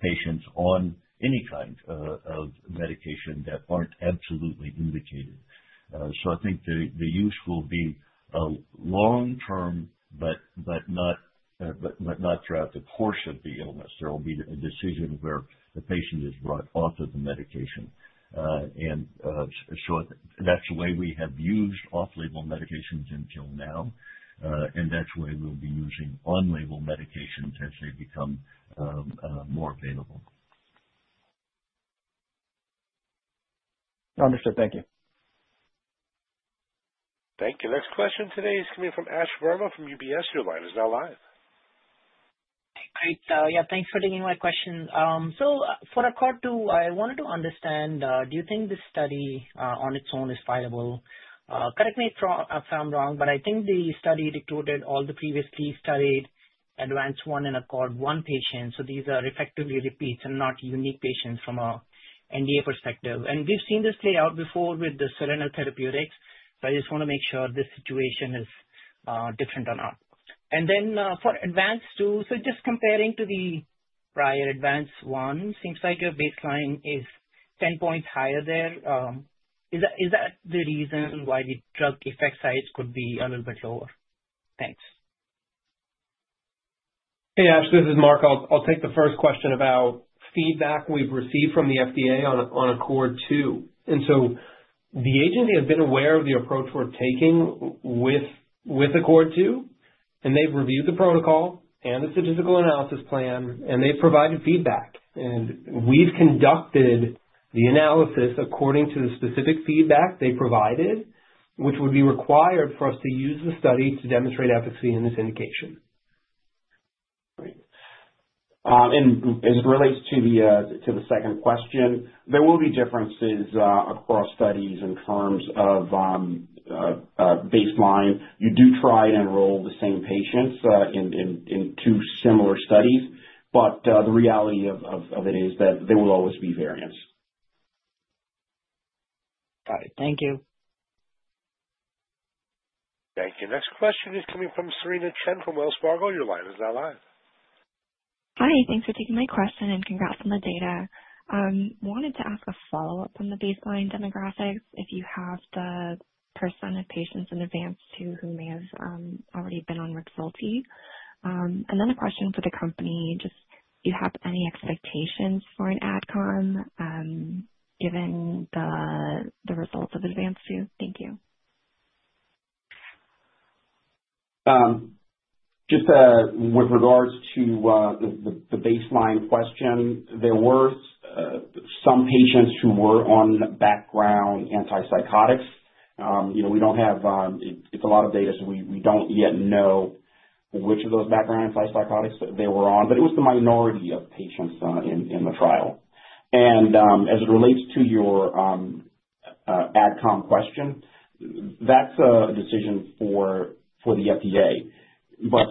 S6: patients on any kind of medication that aren't absolutely indicated. So I think the use will be long-term, but not throughout the course of the illness. There will be a decision where the patient is brought off of the medication. And so that's the way we have used off-label medications until now. And that's the way we'll be using on-label medications as they become more available.
S12: Understood. Thank you.
S1: Thank you. Next question today is coming from Ash Verma from UBS. Your line is now live.
S13: Hi, Chris. Yeah. Thanks for taking my question. So for ACCORD-2, I wanted to understand, do you think this study on its own is viable? Correct me if I'm wrong, but I think the study included all the previously studied Advance I and Accord I patients. So these are effectively repeats and not unique patients from an NDA perspective. And we've seen this play out before with the Avanir Therapeutics. So I just want to make sure this situation is different or not. And then for Advance II, so just comparing to the prior Advance I, seems like your baseline is 10 points higher there. Is that the reason why the drug effect size could be a little bit lower? Thanks.
S3: Hey, Ash. This is Mark. I'll take the first question about feedback we've received from the FDA on ACCORD-2. And so the agency has been aware of the approach we're taking with the ACCORD-2, and they've reviewed the protocol and the statistical analysis plan, and they've provided feedback. And we've conducted the analysis according to the specific feedback they provided, which would be required for us to use the study to demonstrate efficacy in this indication. Great. And as it relates to the second question, there will be differences across studies in terms of baseline. You do try and enroll the same patients in two similar studies. But the reality of it is that there will always be variance.
S13: Got it. Thank you.
S1: Thank you. Next question is coming from Serena Chen from Wells Fargo. Your line is now live.
S14: Hi. Thanks for taking my question and congrats on the data. Wanted to ask a follow-up on the baseline demographics, if you have the percent of patients in Advance II who may have already been on Rexulti. And then a question for the company, just do you have any expectations for an adcom given the results of Advance II? Thank you.
S3: Just with regards to the baseline question, there were some patients who were on background antipsychotics. We don't have. It's a lot of data, so we don't yet know which of those background antipsychotics they were on. But it was the minority of patients in the trial. And as it relates to your adcom question, that's a decision for the FDA. But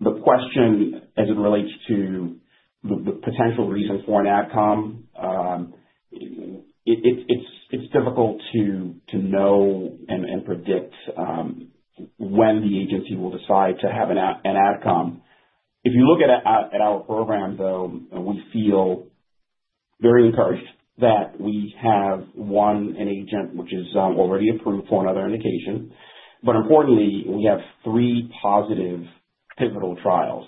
S3: the question, as it relates to the potential reason for an adcom, it's difficult to know and predict when the agency will decide to have an adcom. If you look at our program, though, we feel very encouraged that we have one agent which is already approved for another indication. But importantly, we have three positive pivotal trials.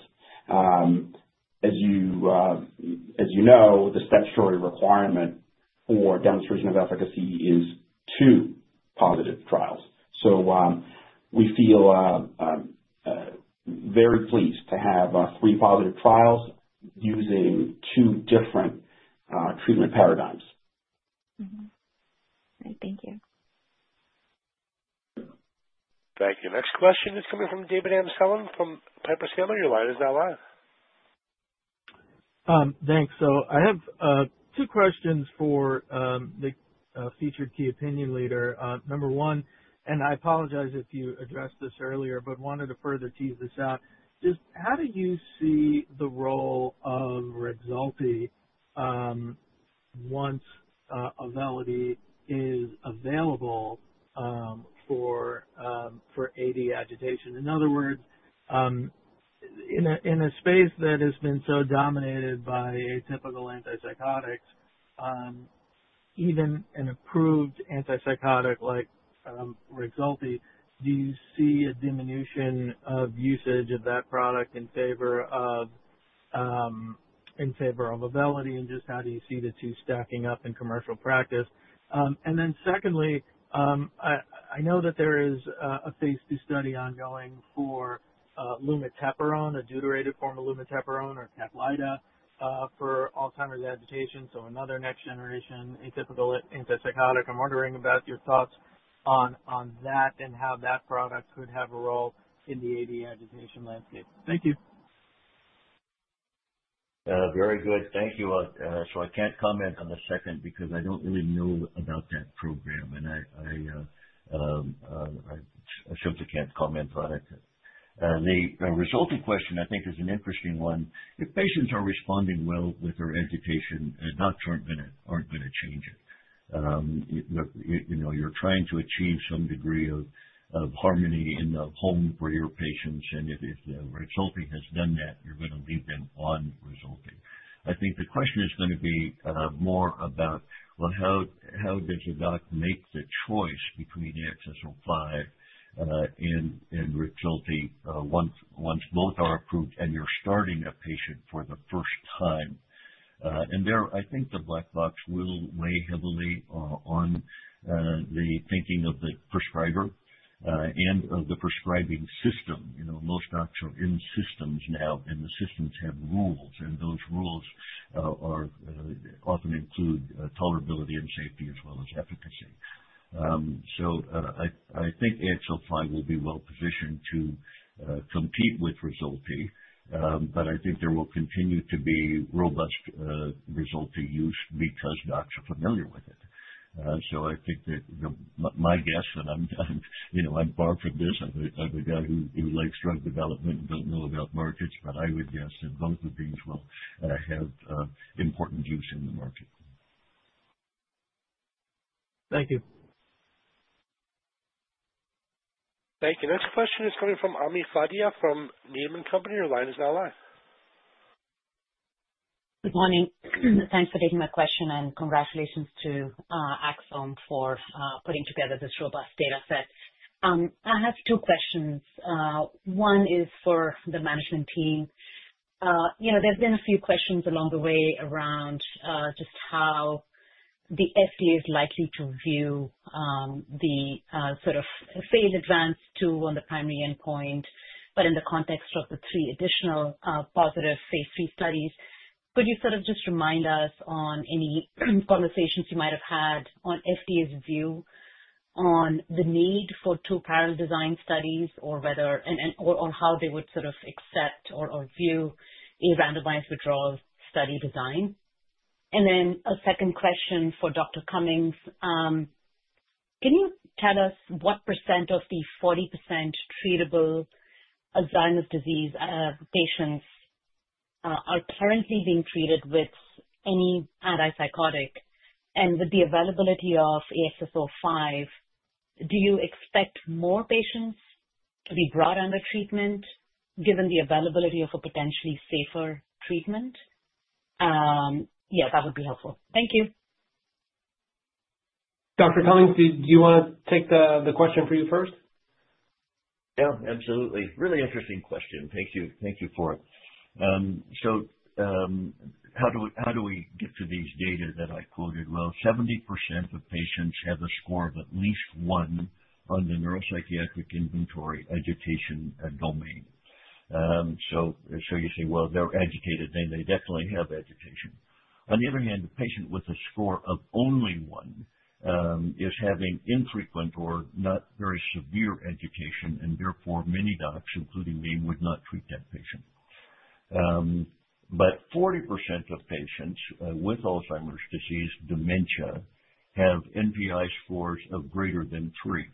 S3: As you know, the statutory requirement for demonstration of efficacy is two positive trials. So we feel very pleased to have three positive trials using two different treatment paradigms.
S14: All right. Thank you.
S1: Thank you. Next question is coming from David Amsellem from Piper Sandler. Your line is now live.
S15: Thanks. So I have two questions for the featured key opinion leader. Number one, and I apologize if you addressed this earlier, but wanted to further tease this out, just how do you see the role of Rexulti once Auvelity is available for AD agitation? In other words, in a space that has been so dominated by atypical antipsychotics, even an approved antipsychotic like Rexulti, do you see a diminution of usage of that product in favor of Auvelity? And just how do you see the two stacking up in commercial practice? And then secondly, I know that there is a Phase II study ongoing for lumateperone, a deuterated form of lumateperone or Caplyta for Alzheimer's agitation, so another next-generation atypical antipsychotic. I'm wondering about your thoughts on that and how that product could have a role in the AD agitation landscape. Thank you.
S6: Very good. Thank you. I can't comment on the second because I don't really know about that program. I simply can't comment on it. The resulting question, I think, is an interesting one. If patients are responding well with their agitation, doctors aren't going to change it. You're trying to achieve some degree of harmony in the home for your patients. If Rexulti has done that, you're going to leave them on Rexulti. I think the question is going to be more about, well, how does a doc make the choice between the AXS-05 and Rexulti once both are approved and you're starting a patient for the first time? There, I think the black box will weigh heavily on the thinking of the prescriber and of the prescribing system. Most docs are in systems now, and the systems have rules. Those rules often include tolerability and safety as well as efficacy. So I think AXS-05 will be well positioned to compete with Rexulti. But I think there will continue to be robust Rexulti use because docs are familiar with it. So I think that my guess, and I'm barred from this. I'm a guy who likes drug development and don't know about markets. But I would guess that both of these will have important use in the market.
S15: Thank you.
S1: Thank you. Next question is coming from Ami Fadia from Needham & Company. Your line is now live.
S16: Good morning. Thanks for taking my question. And congratulations to Axsome for putting together this robust data set. I have two questions. One is for the management team. There have been a few questions along the way around just how the FDA is likely to view the sort of Phase ADVANCE-2 on the primary endpoint, but in the context of the three additional positive Phase III studies. Could you sort of just remind us on any conversations you might have had on FDA's view on the need for two parallel design studies or how they would sort of accept or view a randomized withdrawal study design? And then a second question for Dr. Cummings. Can you tell us what % of the 40% treatable Alzheimer's disease patients are currently being treated with any antipsychotic? With the availability of AXS-05, do you expect more patients to be brought under treatment given the availability of a potentially safer treatment? Yeah, that would be helpful. Thank you.
S3: Dr. Cummings, do you want to take the question for you first?
S6: Yeah. Absolutely. Really interesting question. Thank you for it. So how do we get to these data that I quoted? Well, 70% of patients have a score of at least one on the Neuropsychiatric Inventory agitation domain. So you say, well, they're agitated. They definitely have agitation. On the other hand, a patient with a score of only one is having infrequent or not very severe agitation. And therefore, many docs, including me, would not treat that patient. But 40% of patients with Alzheimer's disease, dementia, have NPI scores of greater than three.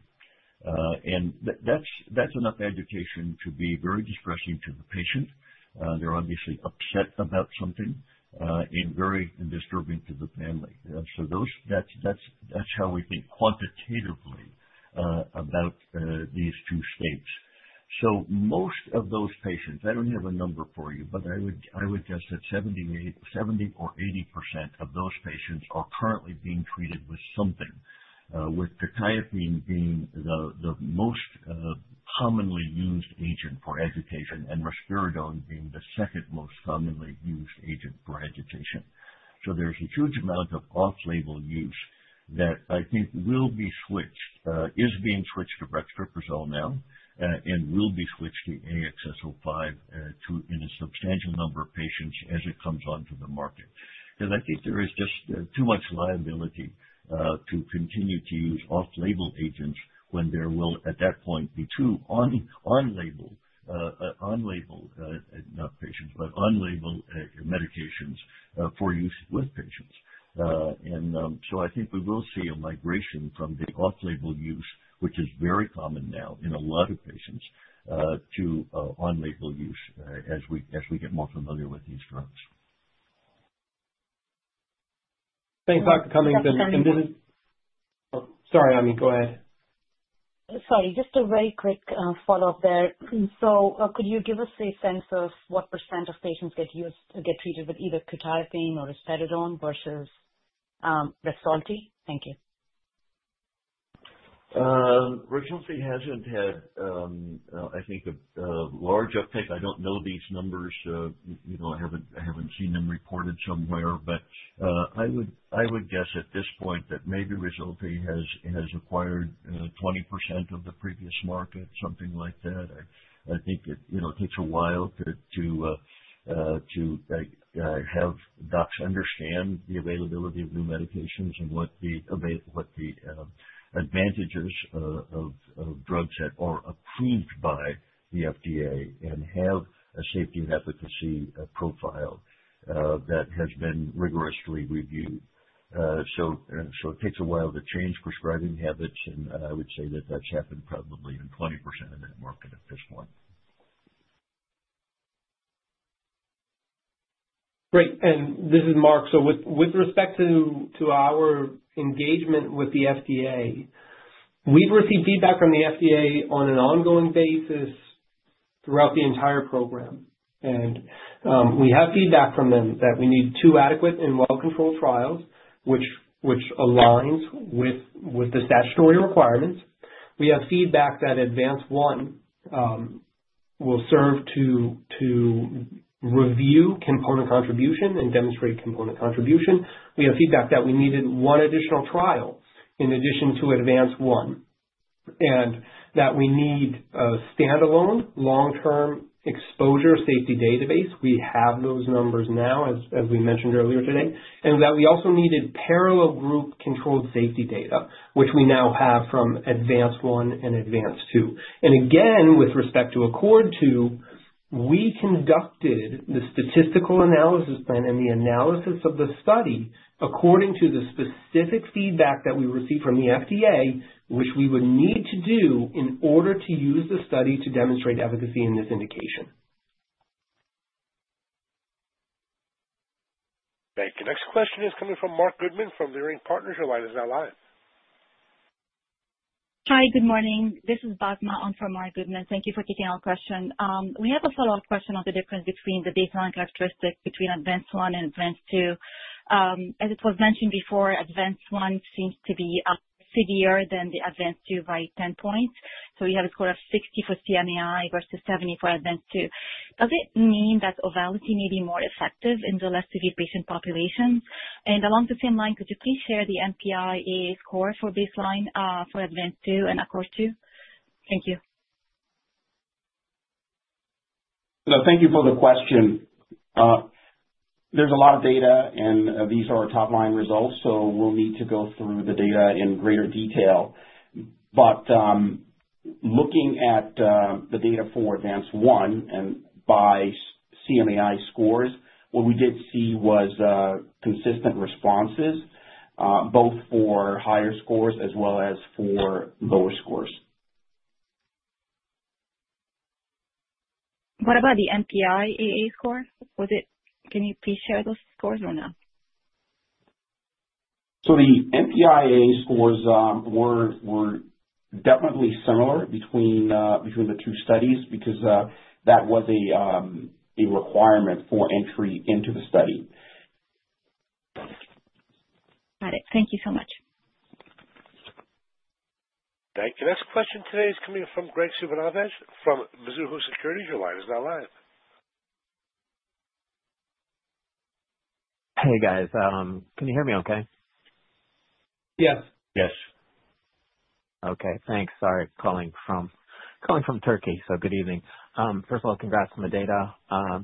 S6: And that's enough agitation to be very distressing to the patient. They're obviously upset about something and very disturbing to the family. So that's how we think quantitatively about these two states. Most of those patients, I don't have a number for you, but I would guess that 70% or 80% of those patients are currently being treated with something, with quetiapine being the most commonly used agent for agitation and risperidone being the second most commonly used agent for agitation. So there's a huge amount of off-label use that I think will be switched, is being switched to brexpiprazole now, and will be switched to AXS-05 in a substantial number of patients as it comes onto the market. Because I think there is just too much liability to continue to use off-label agents when there will, at that point, be two on-label not patients, but on-label medications for use with patients. I think we will see a migration from the off-label use, which is very common now in a lot of patients, to on-label use as we get more familiar with these drugs.
S3: Thanks, Dr. Cummings. And this is, sorry, Ami. Go ahead.
S16: Sorry. Just a very quick follow-up there. So could you give us a sense of what % of patients get treated with either quetiapine or risperidone versus Rexulti? Thank you.
S6: Rexulti hasn't had, I think, a large uptake. I don't know these numbers. I haven't seen them reported somewhere. But I would guess at this point that maybe Rexulti has acquired 20% of the previous market, something like that. I think it takes a while to have docs understand the availability of new medications and what the advantages of drugs that are approved by the FDA and have a safety and efficacy profile that has been rigorously reviewed. So it takes a while to change prescribing habits. And I would say that that's happened probably in 20% of that market at this point.
S3: Great. And this is Mark. So with respect to our engagement with the FDA, we've received feedback from the FDA on an ongoing basis throughout the entire program. And we have feedback from them that we need two adequate and well-controlled trials, which aligns with the statutory requirements. We have feedback that Advance I will serve to prove component contribution and demonstrate component contribution. We have feedback that we needed one additional trial in addition to Advance I and that we need a standalone long-term exposure safety database. We have those numbers now, as we mentioned earlier today. And that we also needed parallel group controlled safety data, which we now have from Advance I and Advance II. Again, with respect to ACCORD-2, we conducted the statistical analysis plan and the analysis of the study according to the specific feedback that we received from the FDA, which we would need to do in order to use the study to demonstrate efficacy in this indication.
S1: Thank you. Next question is coming from Marc Goodman from Leerink Partners. Your line is now live.
S17: Hi. Good morning. This is Basma. I'm from Marc Goodman. Thank you for taking our question. We have a follow-up question on the difference between the baseline characteristics between Advance I and Advance II. As it was mentioned before, Advance I seems to be severe than the Advance II by 10 points. So we have a score of 60 for CMAI versus 70 for Advance II. Does it mean that Auvelity may be more effective in the less severe patient populations? And along the same line, could you please share the NPI-A score for baseline for Advance II and ACCORD-2? Thank you.
S3: So thank you for the question. There's a lot of data, and these are our top-line results. So we'll need to go through the data in greater detail. But looking at the data for Advance I and by CMAI scores, what we did see was consistent responses, both for higher scores as well as for lower scores.
S17: What about the NPI-A score? Can you please share those scores or no?
S3: The NPI-A scores were definitely similar between the two studies because that was a requirement for entry into the study.
S17: Got it. Thank you so much.
S1: Thank you. Next question today is coming from Graig Suvannavejh from Mizuho Securities. Your line is now live.
S18: Hey, guys. Can you hear me okay?
S3: Yes.
S18: Yes. Okay. Thanks. Sorry. Calling from Turkey. So good evening. First of all, congrats on the data.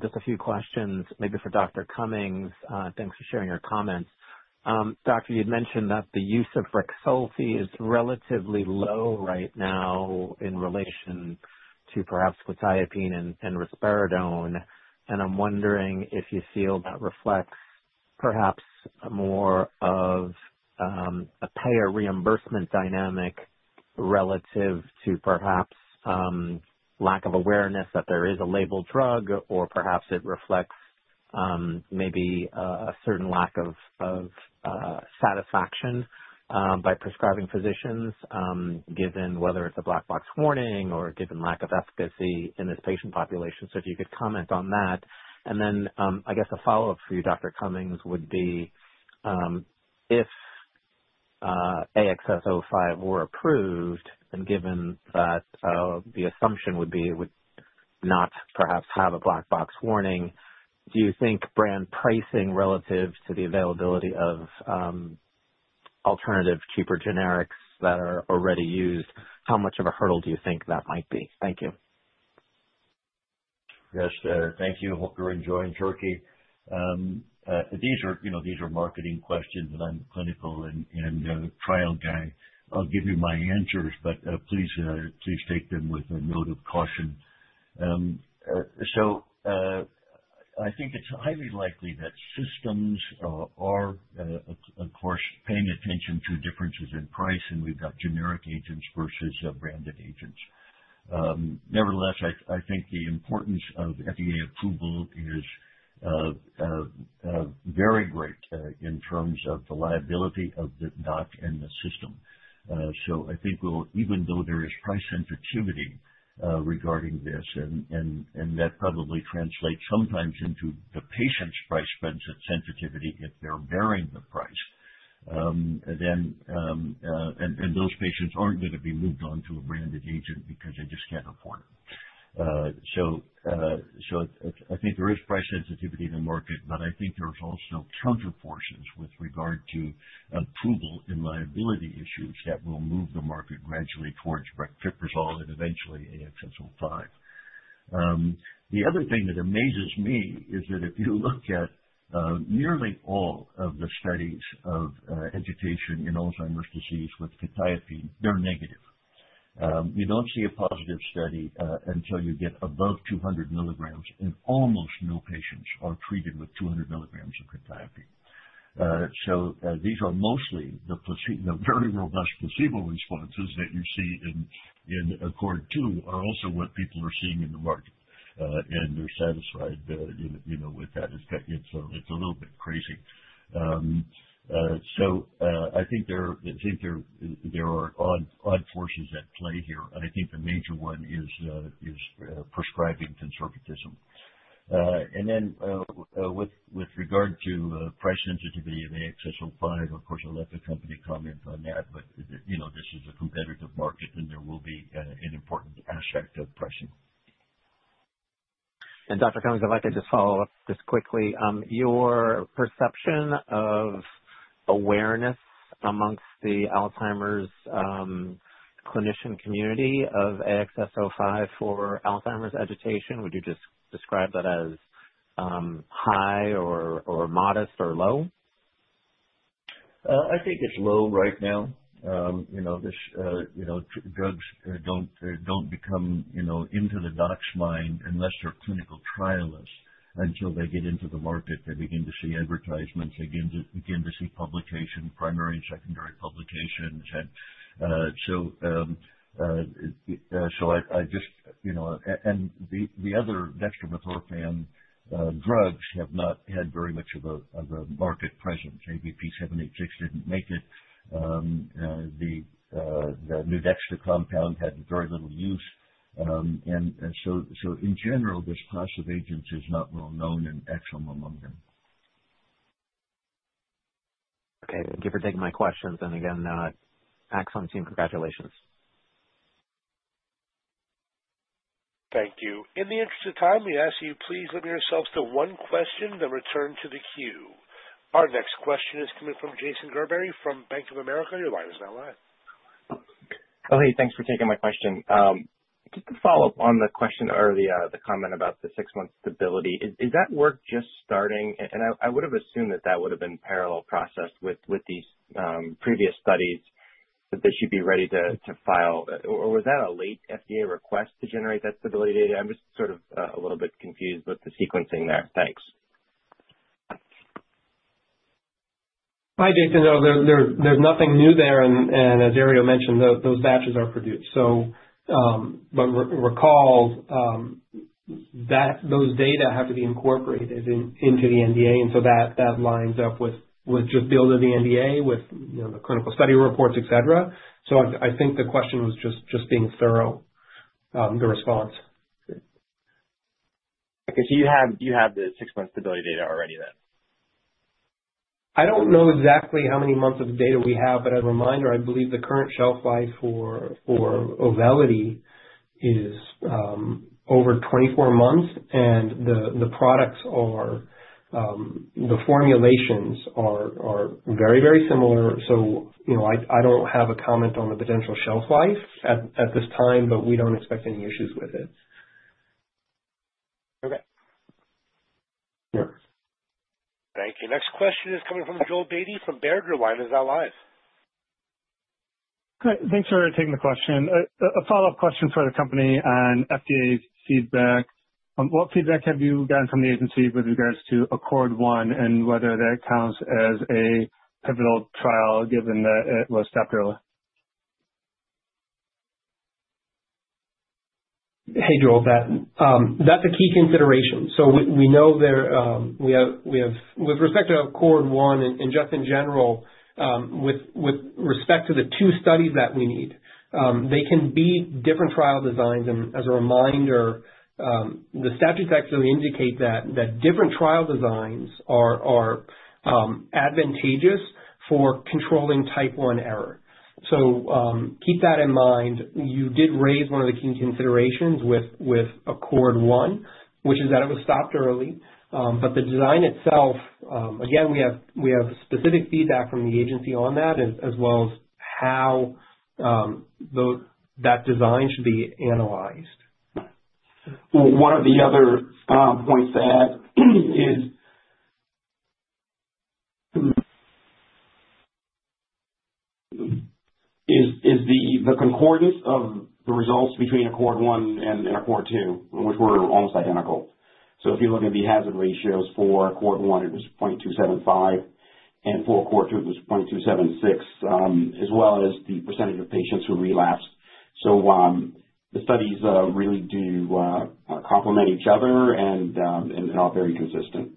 S18: Just a few questions, maybe for Dr. Cummings. Thanks for sharing your comments. Doctor, you'd mentioned that the use of Rexulti is relatively low right now in relation to perhaps quetiapine and risperidone. And I'm wondering if you feel that reflects perhaps more of a payer reimbursement dynamic relative to perhaps lack of awareness that there is a labeled drug, or perhaps it reflects maybe a certain lack of satisfaction by prescribing physicians, given whether it's a black box warning or given lack of efficacy in this patient population. So if you could comment on that. And then I guess a follow-up for you, Dr. Cummings, would be if AXS-05 were approved, and given that the assumption would be it would not perhaps have a black box warning, do you think brand pricing relative to the availability of alternative cheaper generics that are already used, how much of a hurdle do you think that might be? Thank you.
S6: Yes, thank you. Hope you're enjoying Turkey. These are marketing questions, and I'm the clinical and trial guy. I'll give you my answers, but please take them with a note of caution. So I think it's highly likely that systems are, of course, paying attention to differences in price, and we've got generic agents versus branded agents. Nevertheless, I think the importance of FDA approval is very great in terms of the liability of the doc and the system. So I think even though there is price sensitivity regarding this, and that probably translates sometimes into the patient's price sensitivity if they're bearing the price, then those patients aren't going to be moved on to a branded agent because they just can't afford it. I think there is price sensitivity in the market, but I think there's also counterforces with regard to approval and liability issues that will move the market gradually towards brexpiprazole and eventually AXS-05. The other thing that amazes me is that if you look at nearly all of the studies of agitation in Alzheimer's disease with quetiapine, they're negative. You don't see a positive study until you get above 200 milligrams, and almost no patients are treated with 200 milligrams of quetiapine. So these are mostly the very robust placebo responses that you see in ACCORD-2 are also what people are seeing in the market. And they're satisfied with that. It's a little bit crazy. So I think there are odd forces at play here. I think the major one is prescribing conservatism. Then with regard to price sensitivity and AXS-05, of course, I'll let the company comment on that. This is a competitive market, and there will be an important aspect of pricing.
S18: Dr. Cummings, if I could just follow up just quickly. Your perception of awareness amongst the Alzheimer's clinician community of AXS-05 for Alzheimer's agitation, would you just describe that as high or modest or low?
S6: I think it's low right now. Drugs don't become into the docs' mind unless they're clinical trialists. Until they get into the market, they begin to see advertisements, begin to see publications, primary and secondary publications. And so I just—and the other dextromethorphan drugs have not had very much of a market presence. AVP-786 didn't make it. The Nuedexta compound had very little use. And so in general, this class of agents is not well known and excellent among them.
S18: Okay. Thank you for taking my questions, and again, Axsome team, congratulations.
S1: Thank you. In the interest of time, we ask you, please limit yourselves to one question, then return to the queue. Our next question is coming from Jason Gerbery from Bank of America. Your line is now live.
S8: Oh, hey. Thanks for taking my question. Just to follow up on the question or the comment about the six-month stability, is that work just starting? And I would have assumed that that would have been parallel processed with these previous studies that they should be ready to file. Or was that a late FDA request to generate that stability data? I'm just sort of a little bit confused with the sequencing there. Thanks.
S3: Hi, Jason. No, there's nothing new there, and as Herriot mentioned, those batches are produced. But recall, those data have to be incorporated into the NDA. And so that lines up with just building the NDA with the clinical study reports, etc. So I think the question was just being thorough, the response.
S8: Okay. So you have the six-month stability data already then?
S3: I don't know exactly how many months of data we have. But as a reminder, I believe the current shelf life for Auvelity is over 24 months. And the products are, the formulations are very, very similar. So I don't have a comment on the potential shelf life at this time, but we don't expect any issues with it.
S8: Okay.
S1: Thank you. Next question is coming from Joel Beatty from Baird. Is that live?
S19: Hi. Thanks for taking the question. A follow-up question for the company on FDA's feedback. What feedback have you gotten from the agency with regards to ACCORD-1 and whether that counts as a pivotal trial given that it was stopped early?
S3: Hey, Joel. That's a key consideration. So we know that we have, with respect to ACCORD-1 and just in general, with respect to the two studies that we need, they can be different trial designs. And as a reminder, the statutes actually indicate that different trial designs are advantageous for controlling type I error. So keep that in mind. You did raise one of the key considerations with ACCORD-1, which is that it was stopped early. But the design itself, again, we have specific feedback from the agency on that as well as how that design should be analyzed. One of the other points to add is the concordance of the results between ACCORD-1 and ACCORD-2, which were almost identical. If you look at the hazard ratios for ACCORD-1, it was 0.275, and for ACCORD-2, it was 0.276, as well as the percentage of patients who relapsed. The studies really do complement each other, and they're all very consistent.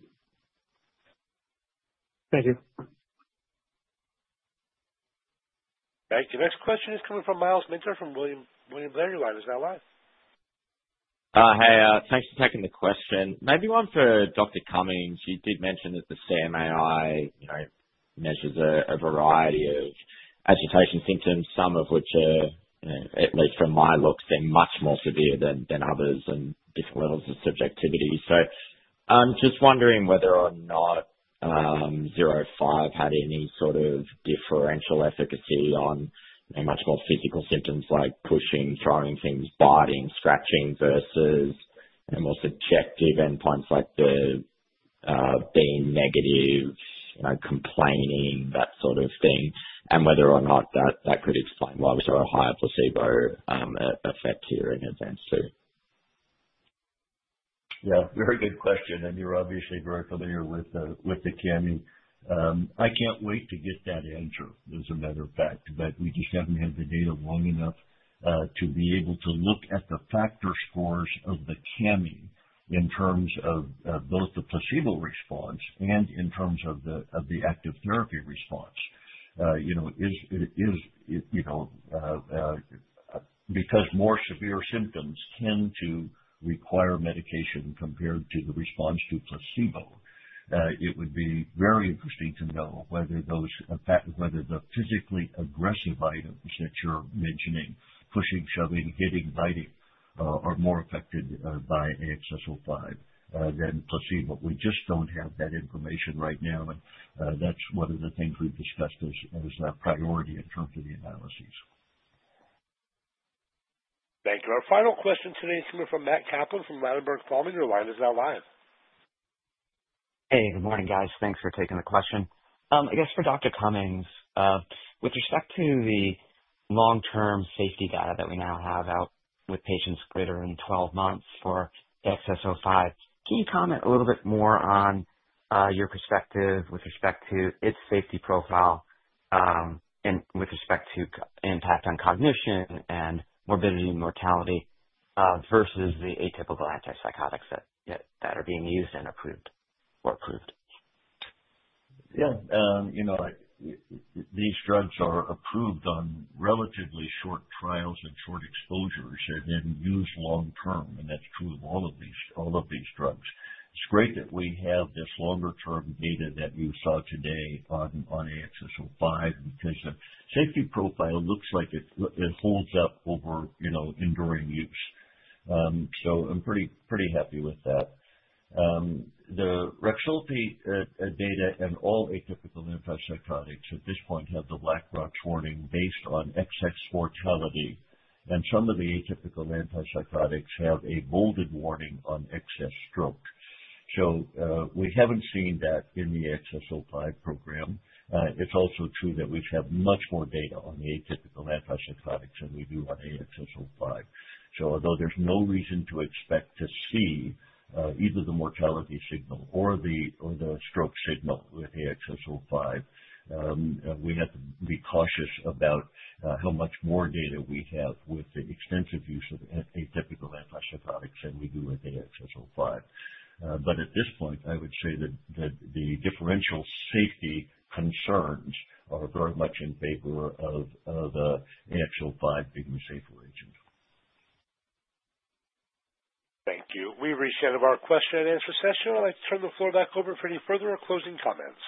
S19: Thank you.
S1: Thank you. Next question is coming from Myles Minter from William Blair line. Is that live?
S9: Hi. Thanks for taking the question. Maybe one for Dr. Cummings. You did mention that the CMAI measures a variety of agitation symptoms, some of which are, at least from my looks, they're much more severe than others and different levels of subjectivity. So I'm just wondering whether or not 05 had any sort of differential efficacy on much more physical symptoms like pushing, throwing things, biting, scratching versus more subjective endpoints like the being negative, complaining, that sort of thing, and whether or not that could explain why we saw a higher placebo effect here in Advance II.
S6: Yeah. Very good question, and you're obviously very familiar with the CMAI. I can't wait to get that answer, as a matter of fact, but we just haven't had the data long enough to be able to look at the factor scores of the CMAI in terms of both the placebo response and in terms of the active therapy response. Because more severe symptoms tend to require medication compared to the response to placebo, it would be very interesting to know whether the physically aggressive items that you're mentioning, pushing, shoving, hitting, biting, are more affected by AXS-05 than placebo. We just don't have that information right now, and that's one of the things we've discussed as a priority in terms of the analyses.
S1: Thank you. Our final question today is coming from Matt Kaplan from Ladenburg Thalmann. Your line is now live.
S20: Hey. Good morning, guys. Thanks for taking the question. I guess for Dr. Cummings, with respect to the long-term safety data that we now have out with patients greater than 12 months for AXS-05, can you comment a little bit more on your perspective with respect to its safety profile and with respect to impact on cognition and morbidity and mortality versus the atypical antipsychotics that are being used and approved or approved?
S6: Yeah. These drugs are approved on relatively short trials and short exposures and then used long-term. And that's true of all of these drugs. It's great that we have this longer-term data that you saw today on AXS-05 because the safety profile looks like it holds up over enduring use. So I'm pretty happy with that. The Rexulti data and all atypical antipsychotics at this point have the black box warning based on excess mortality. And some of the atypical antipsychotics have a bolded warning on excess stroke. So we haven't seen that in the AXS-05 program. It's also true that we have much more data on the atypical antipsychotics than we do on AXS-05. So although there's no reason to expect to see either the mortality signal or the stroke signal with AXS-05, we have to be cautious about how much more data we have with the extensive use of atypical antipsychotics than we do with AXS-05. But at this point, I would say that the differential safety concerns are very much in favor of the AXS-05 being the safer agent.
S1: Thank you. We've reached the end of our question and answer session. I'd like to turn the floor back over for any further or closing comments.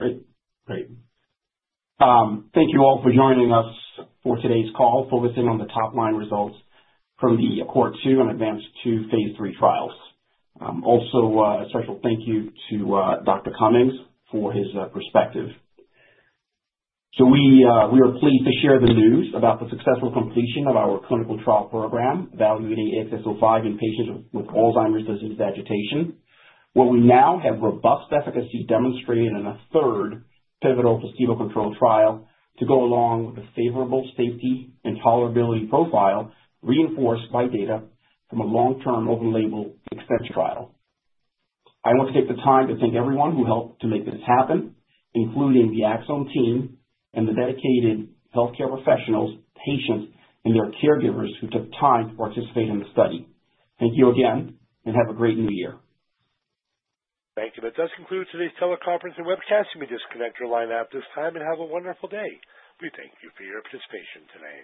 S4: Great. Thank you all for joining us for today's call focusing on the top-line results from the ACCORD-2 and Advance II Phase III trials. Also, a special thank you to Dr. Cummings for his perspective. So we are pleased to share the news about the successful completion of our clinical trial program evaluating AXS-05 in patients with Alzheimer's disease agitation. What we now have robust efficacy demonstrated in a third pivotal placebo-controlled trial to go along with a favorable safety and tolerability profile reinforced by data from a long-term open-label extension trial. I want to take the time to thank everyone who helped to make this happen, including the Axsome team and the dedicated healthcare professionals, patients, and their caregivers who took time to participate in the study. Thank you again, and have a great new year.
S1: Thank you. That does conclude today's teleconference and webcast. You may disconnect your line at this time and have a wonderful day. We thank you for your participation today.